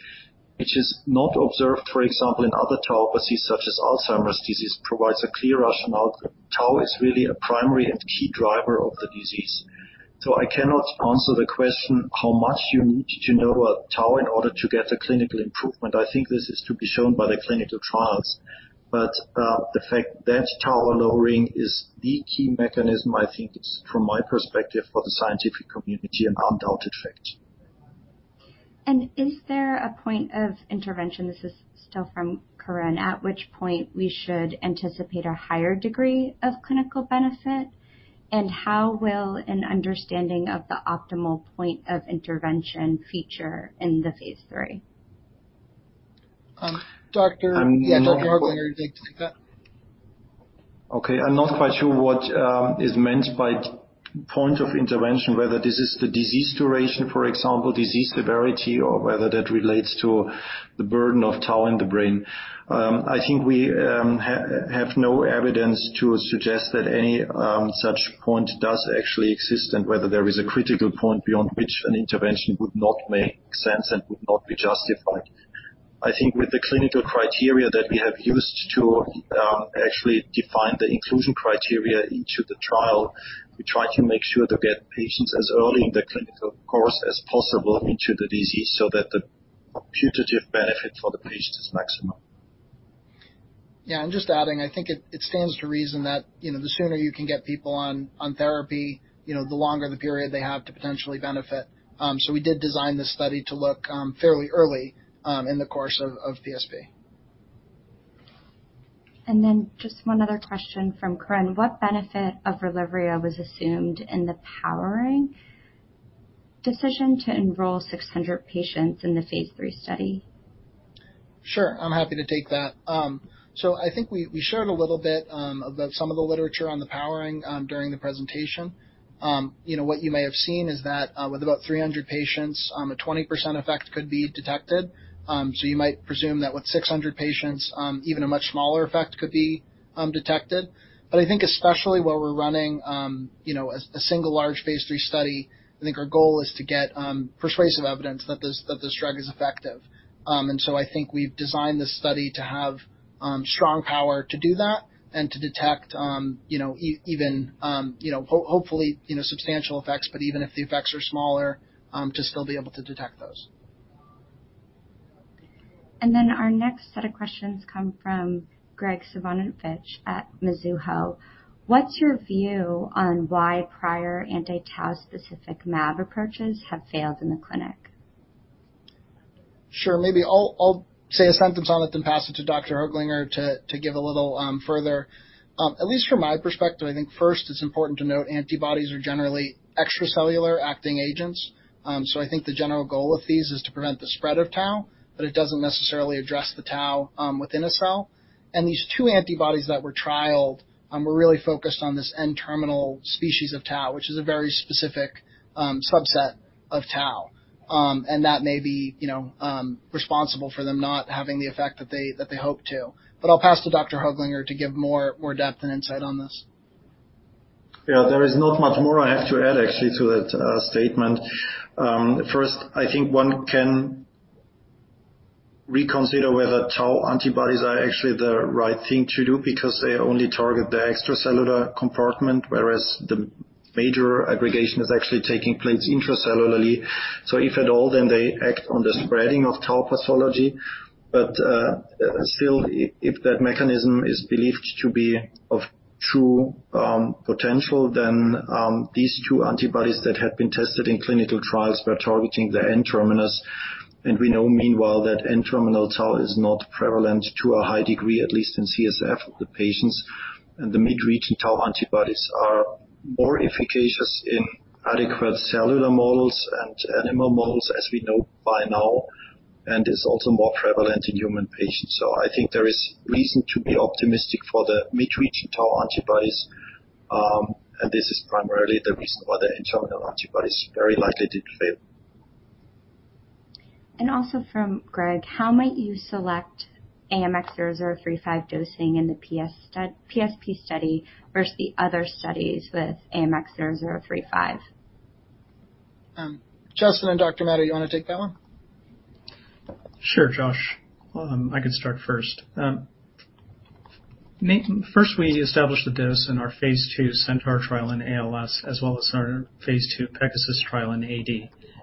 which is not observed, for example, in other tauopathies, such as Alzheimer's disease, provides a clear rationale. Tau is really a primary and key driver of the disease. I cannot answer the question, how much you need to know about tau in order to get a clinical improvement. I think this is to be shown by the clinical trials, but, the fact that tau lowering is the key mechanism, I think it's, from my perspective, for the scientific community, an undoubted fact. Is there a point of intervention, this is still from Corinne, at which point we should anticipate a higher degree of clinical benefit? How will an understanding of the optimal point of intervention feature in the phase III? Um, Doctor. I'm not. Yeah, Dr. Höglinger, you can take that. Okay. I'm not quite sure what is meant by point of intervention, whether this is the disease duration, for example, disease severity, or whether that relates to the burden of tau in the brain. I think we have no evidence to suggest that any such point does actually exist, and whether there is a critical point beyond which an intervention would not make sense and would not be justified. I think with the clinical criteria that we have used to actually define the inclusion criteria into the trial, we try to make sure to get patients as early in the clinical course as possible into the disease so that the putative benefit for the patient is maximum. Yeah, just adding, I think it stands to reason that, you know, the sooner you can get people on therapy, you know, the longer the period they have to potentially benefit. We did design this study to look fairly early in the course of PSP. Just one other question from Corinne: What benefit of Relyvrio was assumed in the powering decision to enroll 600 patients in the phase III study? Sure, I'm happy to take that. I think we showed a little bit about some of the literature on the powering during the presentation. You know, what you may have seen is that with about three patients, a 20% effect could be detected. You might presume that with 600 patients, even a much smaller effect could be detected. I think especially while we're running, you know, a single large phase III study, I think our goal is to get persuasive evidence that this, that this drug is effective. I think we've designed this study to have strong power to do that and to detect, you know, even, you know, hopefully, you know, substantial effects, but even if the effects are smaller, to still be able to detect those. Our next set of questions come from Graig Suvannavejh at Mizuho. What's your view on why prior anti-tau specific mAb approaches have failed in the clinic? Sure. Maybe I'll say a sentence on it, then pass it to Dr. Höglinger to give a little further. At least from my perspective, I think first it's important to note antibodies are generally extracellular acting agents. I think the general goal of these is to prevent the spread of tau, but it doesn't necessarily address the tau within a cell. These two antibodies that were trialed were really focused on this N-terminal species of tau, which is a very specific subset of tau. That may be, you know, responsible for them not having the effect that they hope to. I'll pass to Dr. Höglinger to give more depth and insight on this. There is not much more I have to add actually to that statement. First, I think one can reconsider whether tau antibodies are actually the right thing to do because they only target the extracellular compartment, whereas the major aggregation is actually taking place intracellularly. If at all, then they act on the spreading of tau pathology. Still, if that mechanism is believed to be of true potential, then these two antibodies that have been tested in clinical trials were targeting the N-terminus. We know, meanwhile, that N-terminal tau is not prevalent to a high degree, at least in CSF of the patients, and the midregion tau antibodies are more efficacious in adequate cellular models and animal models, as we know by now, and is also more prevalent in human patients. I think there is reason to be optimistic for the midregion tau antibodies. This is primarily the reason why the N-terminal antibodies very likely did fail. Also from Greg: How might you select AMX0035 dosing in the PSP study versus the other studies with AMX0035? Justin and Dr. Mehta, you want to take that one? Sure, Josh. I can start first. First, we established the dose in our phase II CENTAUR trial in ALS, as well as our phase II PEGASUS trial in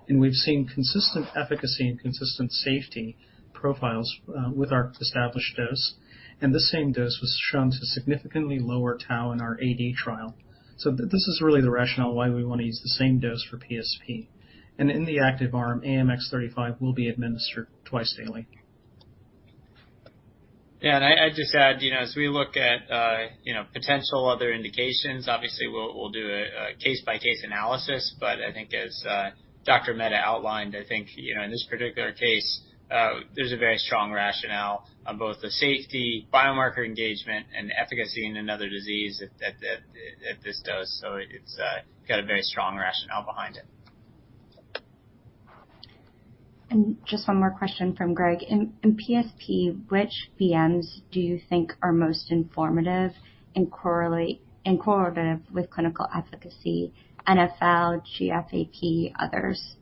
AD. We've seen consistent efficacy and consistent safety profiles with our established dose. The same dose was shown to significantly lower tau in our AD trial. This is really the rationale why we want to use the same dose for PSP. In the active arm, AMX0035 will be administered twice daily. I just add, you know, as we look at, you know, potential other indications, obviously we'll do a case-by-case analysis. I think as Dr. Mehta outlined, I think, you know, in this particular case, there's a very strong rationale on both the safety, biomarker engagement and efficacy in another disease that at this dose, it's got a very strong rationale behind it. Just one more question from Greg: In PSP, which BMs do you think are most informative and correlative with clinical efficacy, NfL, GFAP, others?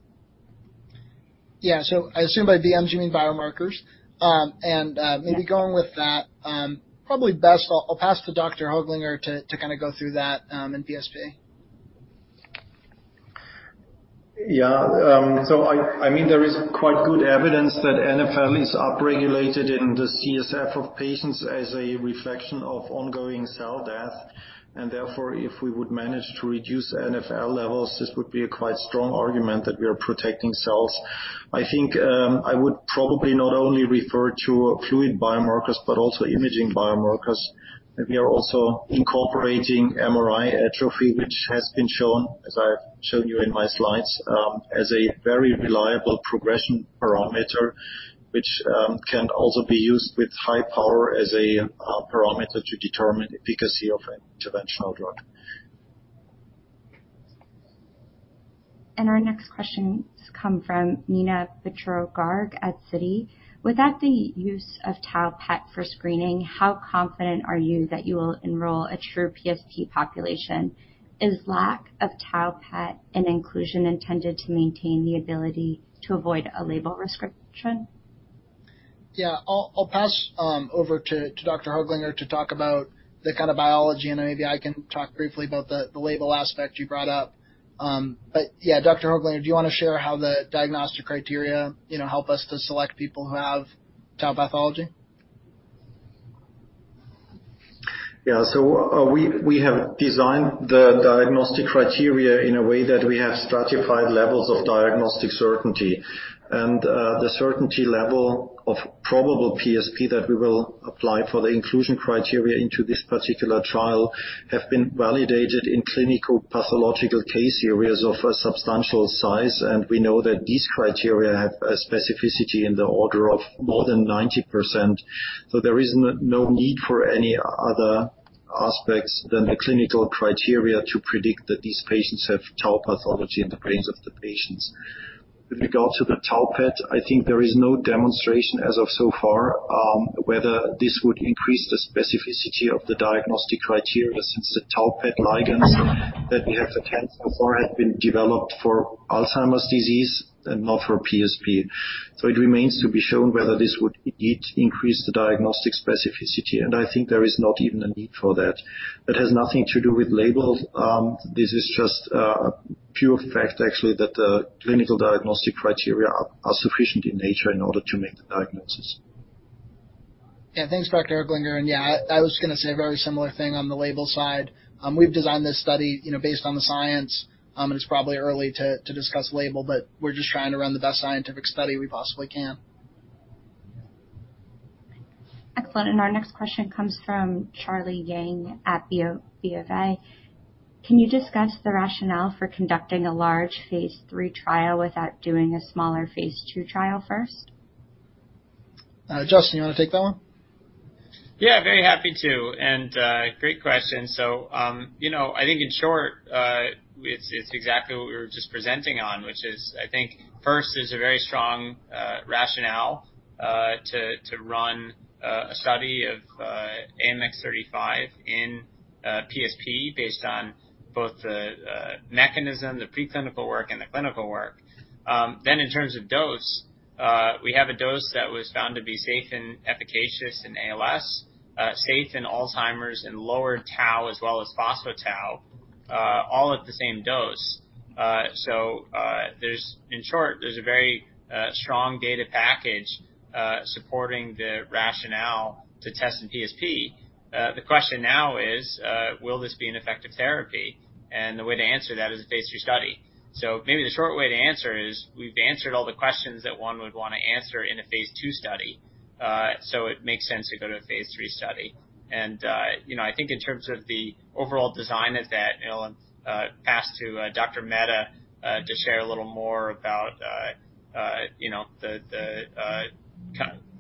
Yeah. I assume by BM, you mean biomarkers. Yeah. -maybe going with that, probably best I'll pass to Dr. Höglinger to kind of go through that, in PSP. I mean, there is quite good evidence that NfL is upregulated in the CSF of patients as a reflection of ongoing cell death, and therefore, if we would manage to reduce NfL levels, this would be a quite strong argument that we are protecting cells. I think, I would probably not only refer to fluid biomarkers but also imaging biomarkers. We are also incorporating MRI atrophy, which has been shown, as I've shown you in my slides, as a very reliable progression parameter, which can also be used with high power as a parameter to determine efficacy of an interventional drug. Our next questions come from Neena Bitritto-Garg at Citi. Without the use of tau PET for screening, how confident are you that you will enroll a true PSP population? Is lack of tau PET and inclusion intended to maintain the ability to avoid a label restriction? Yeah, I'll pass over to Dr. Höglinger to talk about the kind of biology, and then maybe I can talk briefly about the label aspect you brought up. Yeah, Dr. Höglinger, do you want to share how the diagnostic criteria, you know, help us to select people who have tau pathology? We have designed the diagnostic criteria in a way that we have stratified levels of diagnostic certainty. The certainty level of probable PSP that we will apply for the inclusion criteria into this particular trial have been validated in clinical pathological case areas of a substantial size, and we know that these criteria have a specificity in the order of more than 90%. There is no need for any other aspects than the clinical criteria to predict that these patients have tau pathology in the brains of the patients. With regard to the tau PET, I think there is no demonstration as of so far, whether this would increase the specificity of the diagnostic criteria, since the tau PET ligands that we have tested before have been developed for Alzheimer's disease and not for PSP. it remains to be shown whether this would indeed increase the diagnostic specificity, and I think there is not even a need for that. It has nothing to do with labels. This is just a pure fact, actually, that the clinical diagnostic criteria are sufficient in nature in order to make the diagnosis. Yeah, thanks, Dr. Höglinger. Yeah, I was going to say a very similar thing on the label side. We've designed this study, you know, based on the science. It's probably early to discuss label, but we're just trying to run the best scientific study we possibly can. Excellent. Our next question comes from Charlie Yang at BofA. Can you discuss the rationale for conducting a large Phase III trial without doing a smaller Phase II trial first? Justin, you want to take that one? Yeah, very happy to, and great question. You know, I think in short, it's exactly what we were just presenting on, which is, I think first, there's a very strong rationale to run a study of AMX0035 in PSP based on both the mechanism, the preclinical work and the clinical work. In terms of dose, we have a dose that was found to be safe and efficacious in ALS, safe in Alzheimer's and lower tau, as well as phospho-tau, all at the same dose. In short, there's a very strong data package supporting the rationale to test in PSP. The question now is, will this be an effective therapy? The way to answer that is a phase III study. Maybe the short way to answer is we've answered all the questions that one would want to answer in a phase II study. It makes sense to go to a phase III study. You know, I think in terms of the overall design of that, and I'll pass to Dr. Mehta, to share a little more about, you know, the,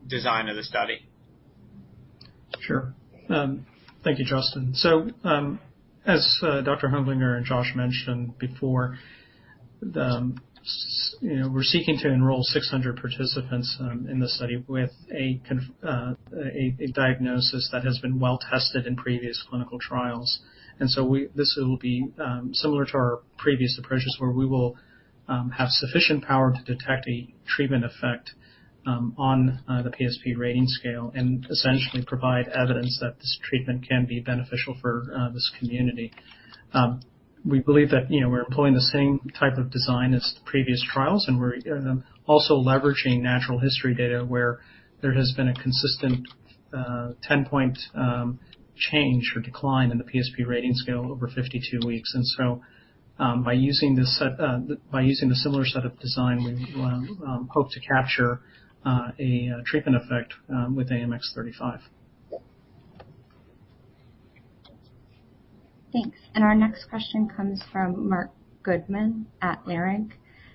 design of the study. Sure. Thank you, Justin. As Dr. Höglinger and Josh mentioned before, you know, we're seeking to enroll 600 participants in the study with a diagnosis that has been well tested in previous clinical trials. This will be similar to our previous approaches, where we will have sufficient power to detect a treatment effect on the PSP Rating Scale and essentially provide evidence that this treatment can be beneficial for this community. We believe that, you know, we're employing the same type of design as the previous trials, and we're also leveraging natural history data, where there has been a consistent 10-point change or decline in the PSP Rating Scale over 52 weeks. By using a similar set of design, we hope to capture a treatment effect with AMX0035. Thanks. Our next question comes from Marc Goodman at Leerink.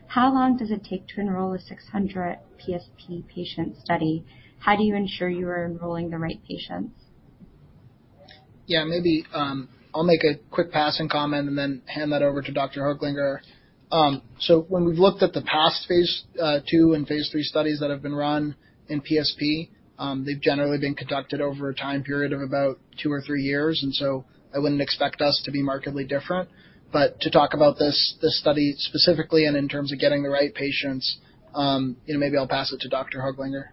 How long does it take to enroll a 600 PSP patient study? How do you ensure you are enrolling the right patients? Yeah, maybe, I'll make a quick passing comment and then hand that over to Dr. Höglinger. When we've looked at the past phase II and phase III studies that have been run in PSP, they've generally been conducted over a time period of about two or three years, and so I wouldn't expect us to be markedly different. To talk about this study specifically and in terms of getting the right patients, you know, maybe I'll pass it to Dr. Höglinger.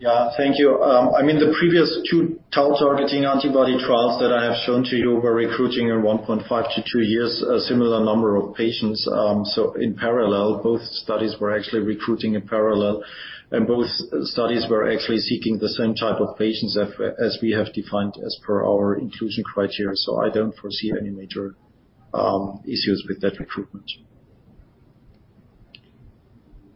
Yeah, thank you. I mean, the previous two tau targeting antibody trials that I have shown to you were recruiting in 1.5 to two years, a similar number of patients. In parallel, both studies were actually recruiting in parallel, and both studies were actually seeking the same type of patients as we have defined as per our inclusion criteria. I don't foresee any major issues with that recruitment.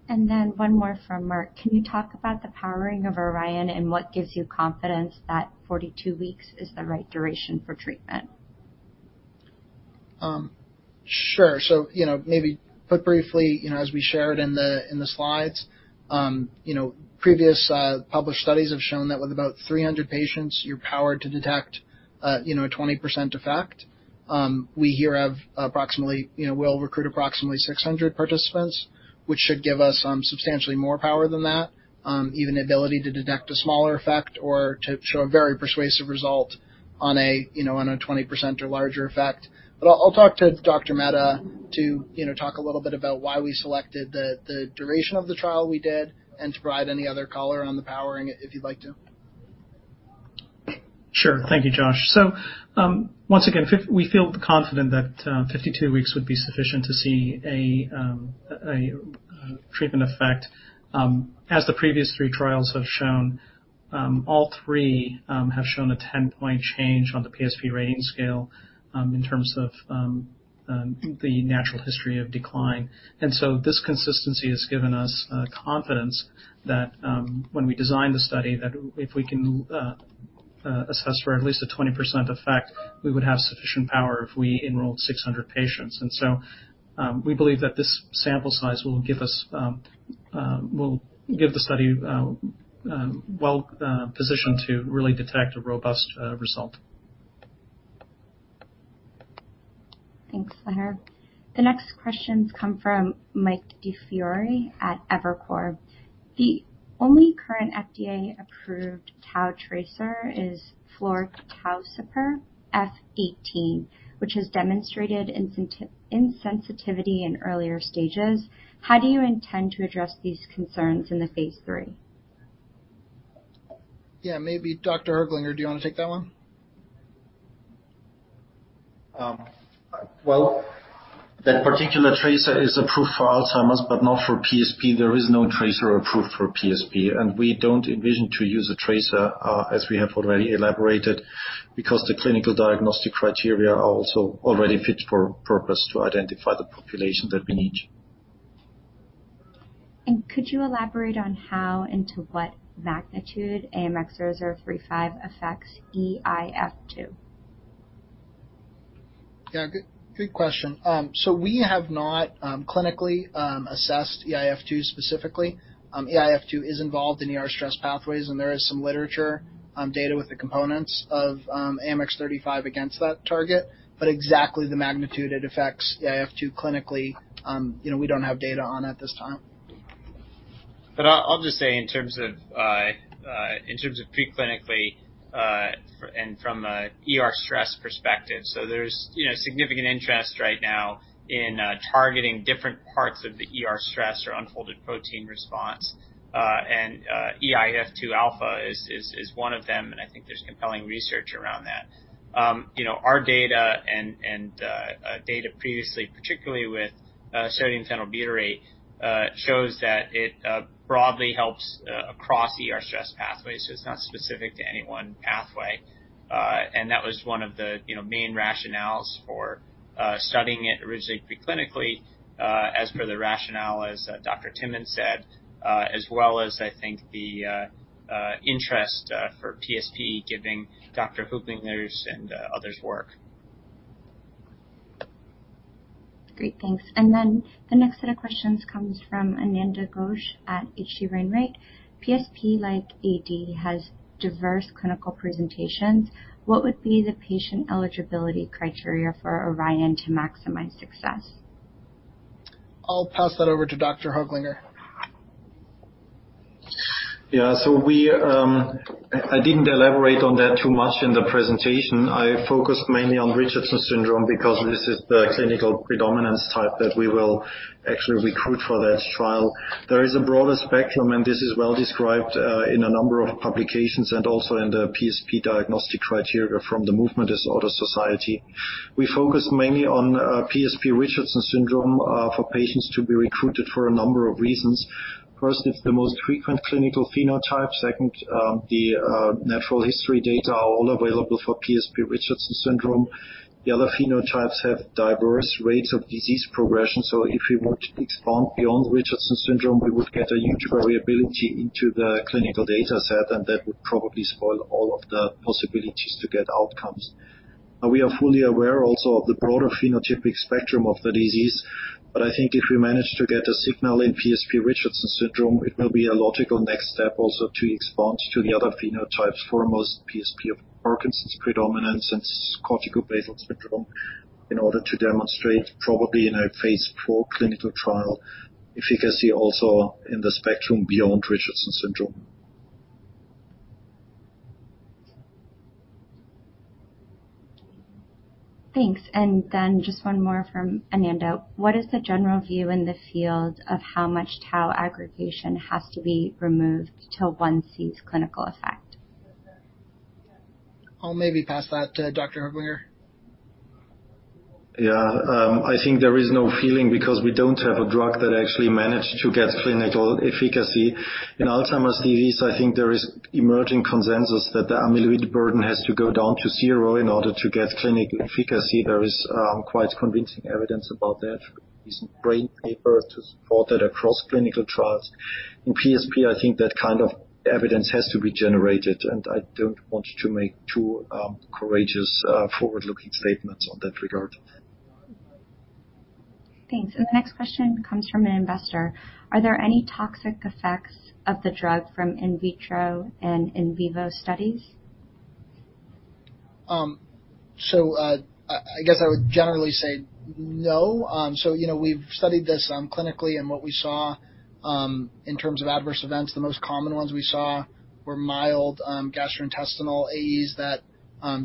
One more from Marc: Can you talk about the powering of ORION and what gives you confidence that 42 weeks is the right duration for treatment? Sure. You know, maybe put briefly, you know, as we shared in the, in the slides, you know, previous published studies have shown that with about 300 patients, you're powered to detect, you know, a 20% effect. We here have approximately, you know, we'll recruit approximately 600 participants, which should give us substantially more power than that. Even the ability to detect a smaller effect or to show a very persuasive result on a, you know, on a 20% or larger effect. I'll talk to Dr. Mehta to, you know, talk a little bit about why we selected the duration of the trial we did, and to provide any other color on the powering, if you'd like to. Sure. Thank you, Josh. Once again, we feel confident that 52 weeks would be sufficient to see a treatment effect. As the previous three trials have shown, all three have shown a 10-point change on the PSP Rating Scale, in terms of the natural history of decline. This consistency has given us confidence that when we designed the study, that if we can assess for at least a 20% effect, we would have sufficient power if we enrolled 600 patients. We believe that this sample size will give us, will give the study, well positioned to really detect a robust result. Thanks, Lahar. The next questions come from Mike DiFiore at Evercore. The only current FDA-approved tau tracer is fluorotaucipir F 18, which has demonstrated insensitivity in earlier stages. How do you intend to address these concerns in the phase III? Yeah, maybe Dr. Höglinger, do you want to take that one? Well, that particular tracer is approved for Alzheimer's, but not for PSP. There is no tracer approved for PSP, and we don't envision to use a tracer, as we have already elaborated, because the clinical diagnostic criteria are also already fit for purpose to identify the population that we need. Could you elaborate on how and to what magnitude AMX0035 affects eIF2? Good, good question. We have not clinically assessed eIF2 specifically. eIF2 is involved in ER stress pathways, and there is some literature on data with the components of AMX0035 against that target. Exactly the magnitude it affects eIF2 clinically, you know, we don't have data on at this time. I'll just say in terms of preclinically, and from an ER stress perspective, there's, you know, significant interest right now in targeting different parts of the ER stress or unfolded protein response. eIF2 alpha is one of them, and I think there's compelling research around that. You know, our data and data previously, particularly with sodium phenylbutyrate, shows that it broadly helps across the ER stress pathway. It's not specific to any one pathway. That was one of the, you know, main rationales for studying it originally, preclinically, as per the rationale, as Dr. Timmons said, as well as I think the interest for PSP, giving Dr. Höglinger's and others work. Great, thanks. The next set of questions comes from Ananda Ghosh at H.C. Wainwright. PSP, like AD, has diverse clinical presentations. What would be the patient eligibility criteria for ORION to maximize success? I'll pass that over to Dr. Höglinger. Yeah. We, I didn't elaborate on that too much in the presentation. I focused mainly on Richardson syndrome because this is the clinical predominance type that we will actually recruit for that trial. There is a broader spectrum, and this is well described in a number of publications and also in the PSP diagnostic criteria from the Movement Disorder Society. We focus mainly on PSP Richardson syndrome for patients to be recruited for a number of reasons. First, it's the most frequent clinical phenotype. Second, the natural history data are all available for PSP Richardson syndrome. The other phenotypes have diverse rates of disease progression. If we want to expand beyond Richardson syndrome, we would get a huge variability into the clinical data set, and that would probably spoil all of the possibilities to get outcomes. We are fully aware also of the broader phenotypic spectrum of the disease, I think if we manage to get a signal in PSP Richardson syndrome, it will be a logical next step also to expand to the other phenotypes, foremost PSP of Parkinson's predominant and corticobasal syndrome, in order to demonstrate, probably in a phase IV clinical trial, efficacy also in the spectrum beyond Richardson syndrome. Thanks. Just one more from Ananda. What is the general view in the field of how much tau aggregation has to be removed till one sees clinical effect? I'll maybe pass that to Dr. Höglinger. I think there is no feeling because we don't have a drug that actually managed to get clinical efficacy. In Alzheimer's disease, I think there is emerging consensus that the amyloid burden has to go down to 0 in order to get clinical efficacy. There is quite convincing evidence about that, recent brain papers to support that across clinical trials. In PSP, I think that kind of evidence has to be generated, and I don't want to make too courageous forward-looking statements on that regard. Thanks. The next question comes from an investor. Are there any toxic effects of the drug from in vitro and in vivo studies? I guess I would generally say no. You know, we've studied this clinically, and what we saw in terms of adverse events, the most common ones we saw were mild gastrointestinal AEs that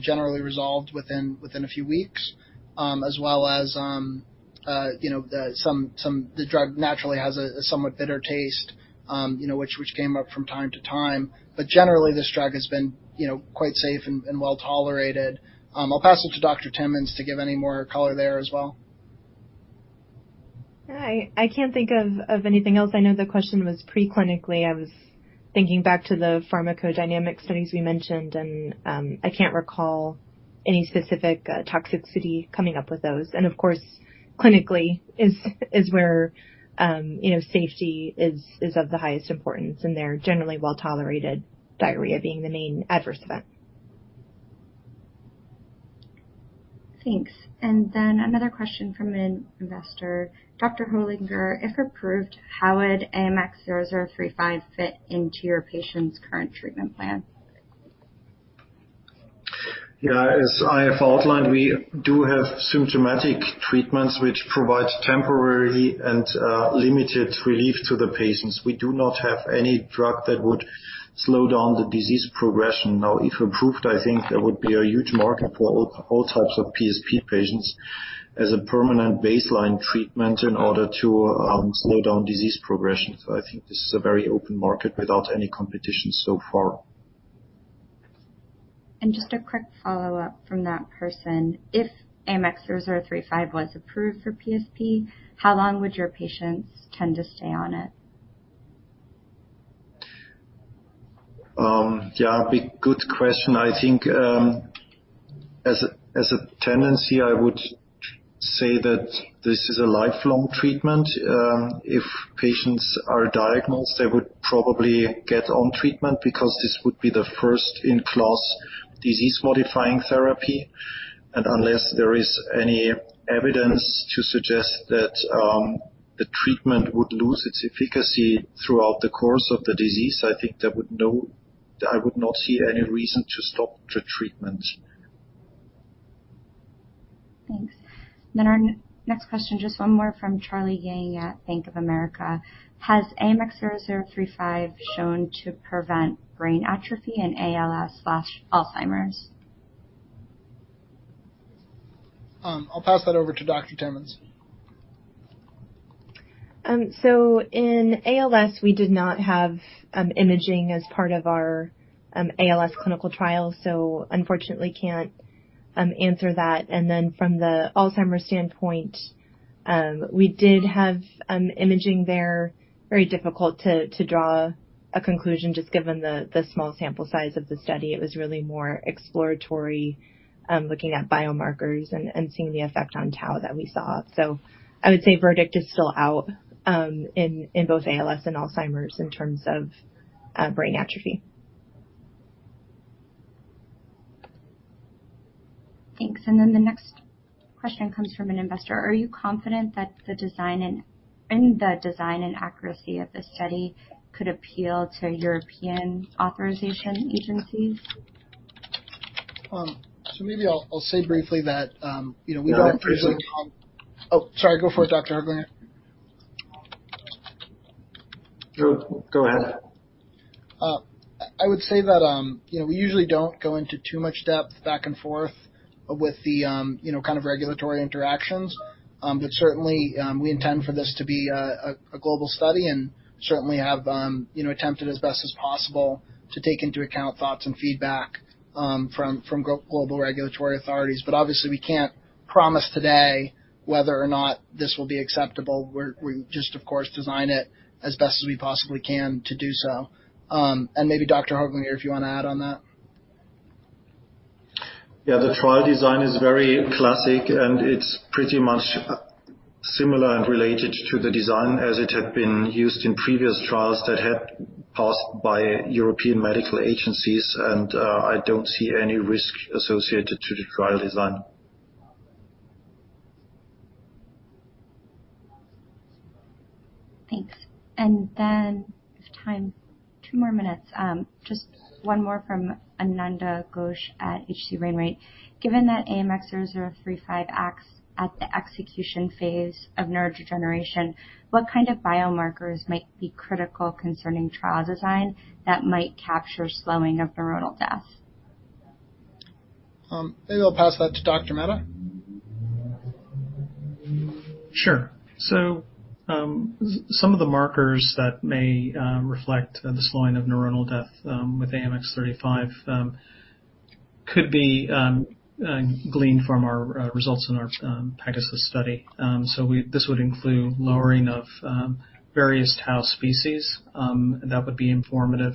generally resolved within a few weeks. As well as, you know, the drug naturally has a somewhat bitter taste, you know, which came up from time to time. Generally, this drug has been, you know, quite safe and well-tolerated. I'll pass it to Dr. Timmons to give any more color there as well. I can't think of anything else. I know the question was pre-clinically. I was thinking back to the pharmacodynamic studies we mentioned, I can't recall any specific toxicity coming up with those. Of course, clinically is where, you know, safety is of the highest importance, and they're generally well-tolerated, diarrhea being the main adverse event. Thanks. Another question from an investor: Dr. Höglinger, if approved, how would AMX0035 fit into your patient's current treatment plan? Yeah, as I have outlined, we do have symptomatic treatments which provide temporary and limited relief to the patients. We do not have any drug that would slow down the disease progression. If approved, I think there would be a huge market for all types of PSP patients as a permanent baseline treatment in order to slow down disease progression. I think this is a very open market without any competition so far. Just a quick follow-up from that person: If AMX0035 was approved for PSP, how long would your patients tend to stay on it? Yeah, big, good question. I think, as a, as a tendency, I would say that this is a lifelong treatment. If patients are diagnosed, they would probably get on treatment because this would be the first-in-class disease-modifying therapy. Unless there is any evidence to suggest that the treatment would lose its efficacy throughout the course of the disease, I think I would not see any reason to stop the treatment. Thanks. Our next question, just one more from Charlie Yang at Bank of America. Has AMX0035 shown to prevent brain atrophy in ALS/Alzheimer's? I'll pass that over to Dr. Timmons. In ALS, we did not have imaging as part of our ALS clinical trial, so unfortunately can't answer that. From the Alzheimer's standpoint, we did have imaging there. Very difficult to draw a conclusion, just given the small sample size of the study. It was really more exploratory, looking at biomarkers and seeing the effect on tau that we saw. I would say verdict is still out, in both ALS and Alzheimer's in terms of brain atrophy. The next question comes from an investor: Are you confident that the design and accuracy of the study could appeal to European authorization agencies? Maybe I'll say briefly that, you know, we don't. Yeah. Oh, sorry. Go for it, Dr. Höglinger. Go, go ahead. I would say that, you know, we usually don't go into too much depth back and forth with the, you know, kind of regulatory interactions. Certainly, we intend for this to be a global study and certainly have, you know, attempted as best as possible to take into account thoughts and feedback, from global regulatory authorities. Obviously, we can't promise today whether or not this will be acceptable. We just, of course, design it as best as we possibly can to do so. Maybe Dr. Höglinger, if you want to add on that. Yeah, the trial design is very classic. It's pretty much similar and related to the design as it had been used in previous trials that had passed by European medical agencies. I don't see any risk associated to the trial design. Thanks. If time, two more minutes. Just one more from Ananda Ghosh at H.C. Wainwright. Given that AMX0035 acts at the execution phase of neurodegeneration, what kind of biomarkers might be critical concerning trial design that might capture slowing of neuronal death? Maybe I'll pass that to Dr. Mehta. Sure. Some of the markers that may reflect the slowing of neuronal death with AMX0035 could be gleaned from our results in our PEGASUS study. This would include lowering of various tau species that would be informative.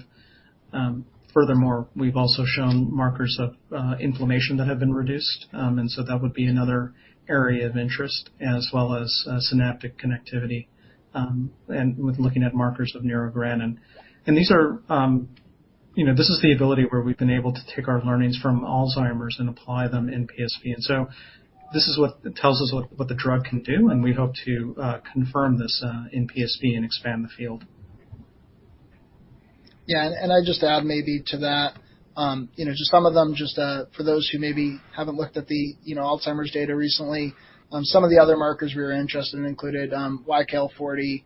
Furthermore, we've also shown markers of inflammation that have been reduced, and so that would be another area of interest, as well as synaptic connectivity, and with looking at markers of neurogranin. These are, you know, this is the ability where we've been able to take our learnings from Alzheimer's and apply them in PSP. This is what tells us what the drug can do, and we hope to confirm this in PSP and expand the field. Yeah, and I'd just add maybe to that, you know, just some of them, just for those who maybe haven't looked at the, you know, Alzheimer's data recently, some of the other markers we were interested in included YKL-40,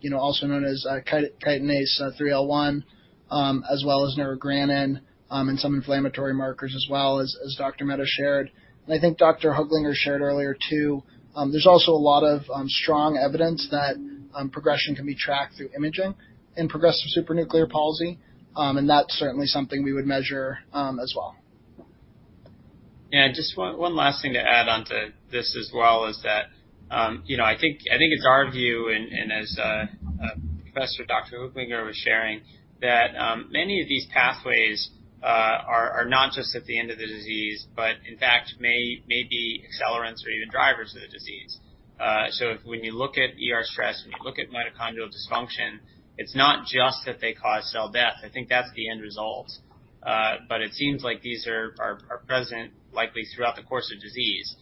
you know, also known as chitinase-3-like-1, as well as neurogranin, and some inflammatory markers as well as Dr. Mehta shared. I think Dr. Höglinger shared earlier, too, there's also a lot of strong evidence that progression can be tracked through imaging in progressive supranuclear palsy. And that's certainly something we would measure as well. Yeah, just one last thing to add on to this as well is that, you know, I think it's our view, and as Professor Dr. Höglinger was sharing, that many of these pathways are not just at the end of the disease, but in fact may be accelerants or even drivers of the disease. If when you look at ER stress, when you look at mitochondrial dysfunction, it's not just that they cause cell death, I think that's the end result. But it seems like these are present likely throughout the course of disease,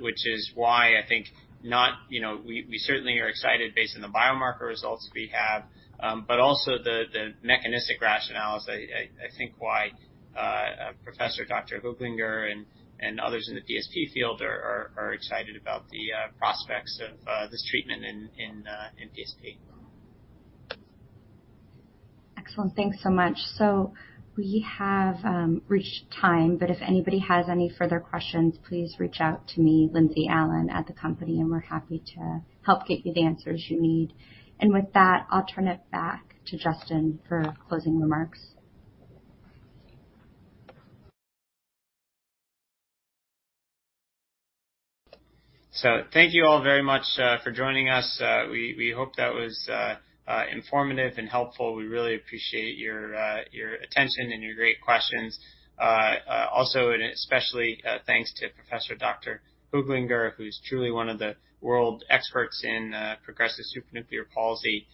which is why I think not. You know, we certainly are excited based on the biomarker results we have, but also the mechanistic rationales, I think why Professor Dr. Höglinger and others in the PSP field are excited about the prospects of this treatment in PSP. Excellent. Thanks so much. We have reached time, but if anybody has any further questions, please reach out to me, Lindsey Allen, at the company, and we're happy to help get you the answers you need. With that, I'll turn it back to Justin for closing remarks. Thank you all very much for joining us. We hope that was informative and helpful. We really appreciate your attention and your great questions. Also, especially, thanks to Professor Dr. Höglinger, who's truly one of the world experts in progressive supranuclear palsy,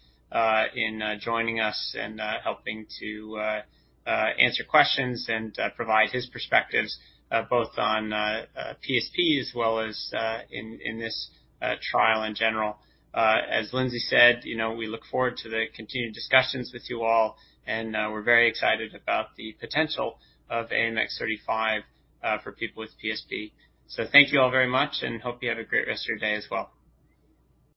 in joining us and helping to answer questions and provide his perspectives both on PSP as well as in this trial in general. As Lindsey said, you know, we look forward to the continued discussions with you all, and we're very excited about the potential of AMX0035 for people with PSP. Thank you all very much, and hope you have a great rest of your day as well.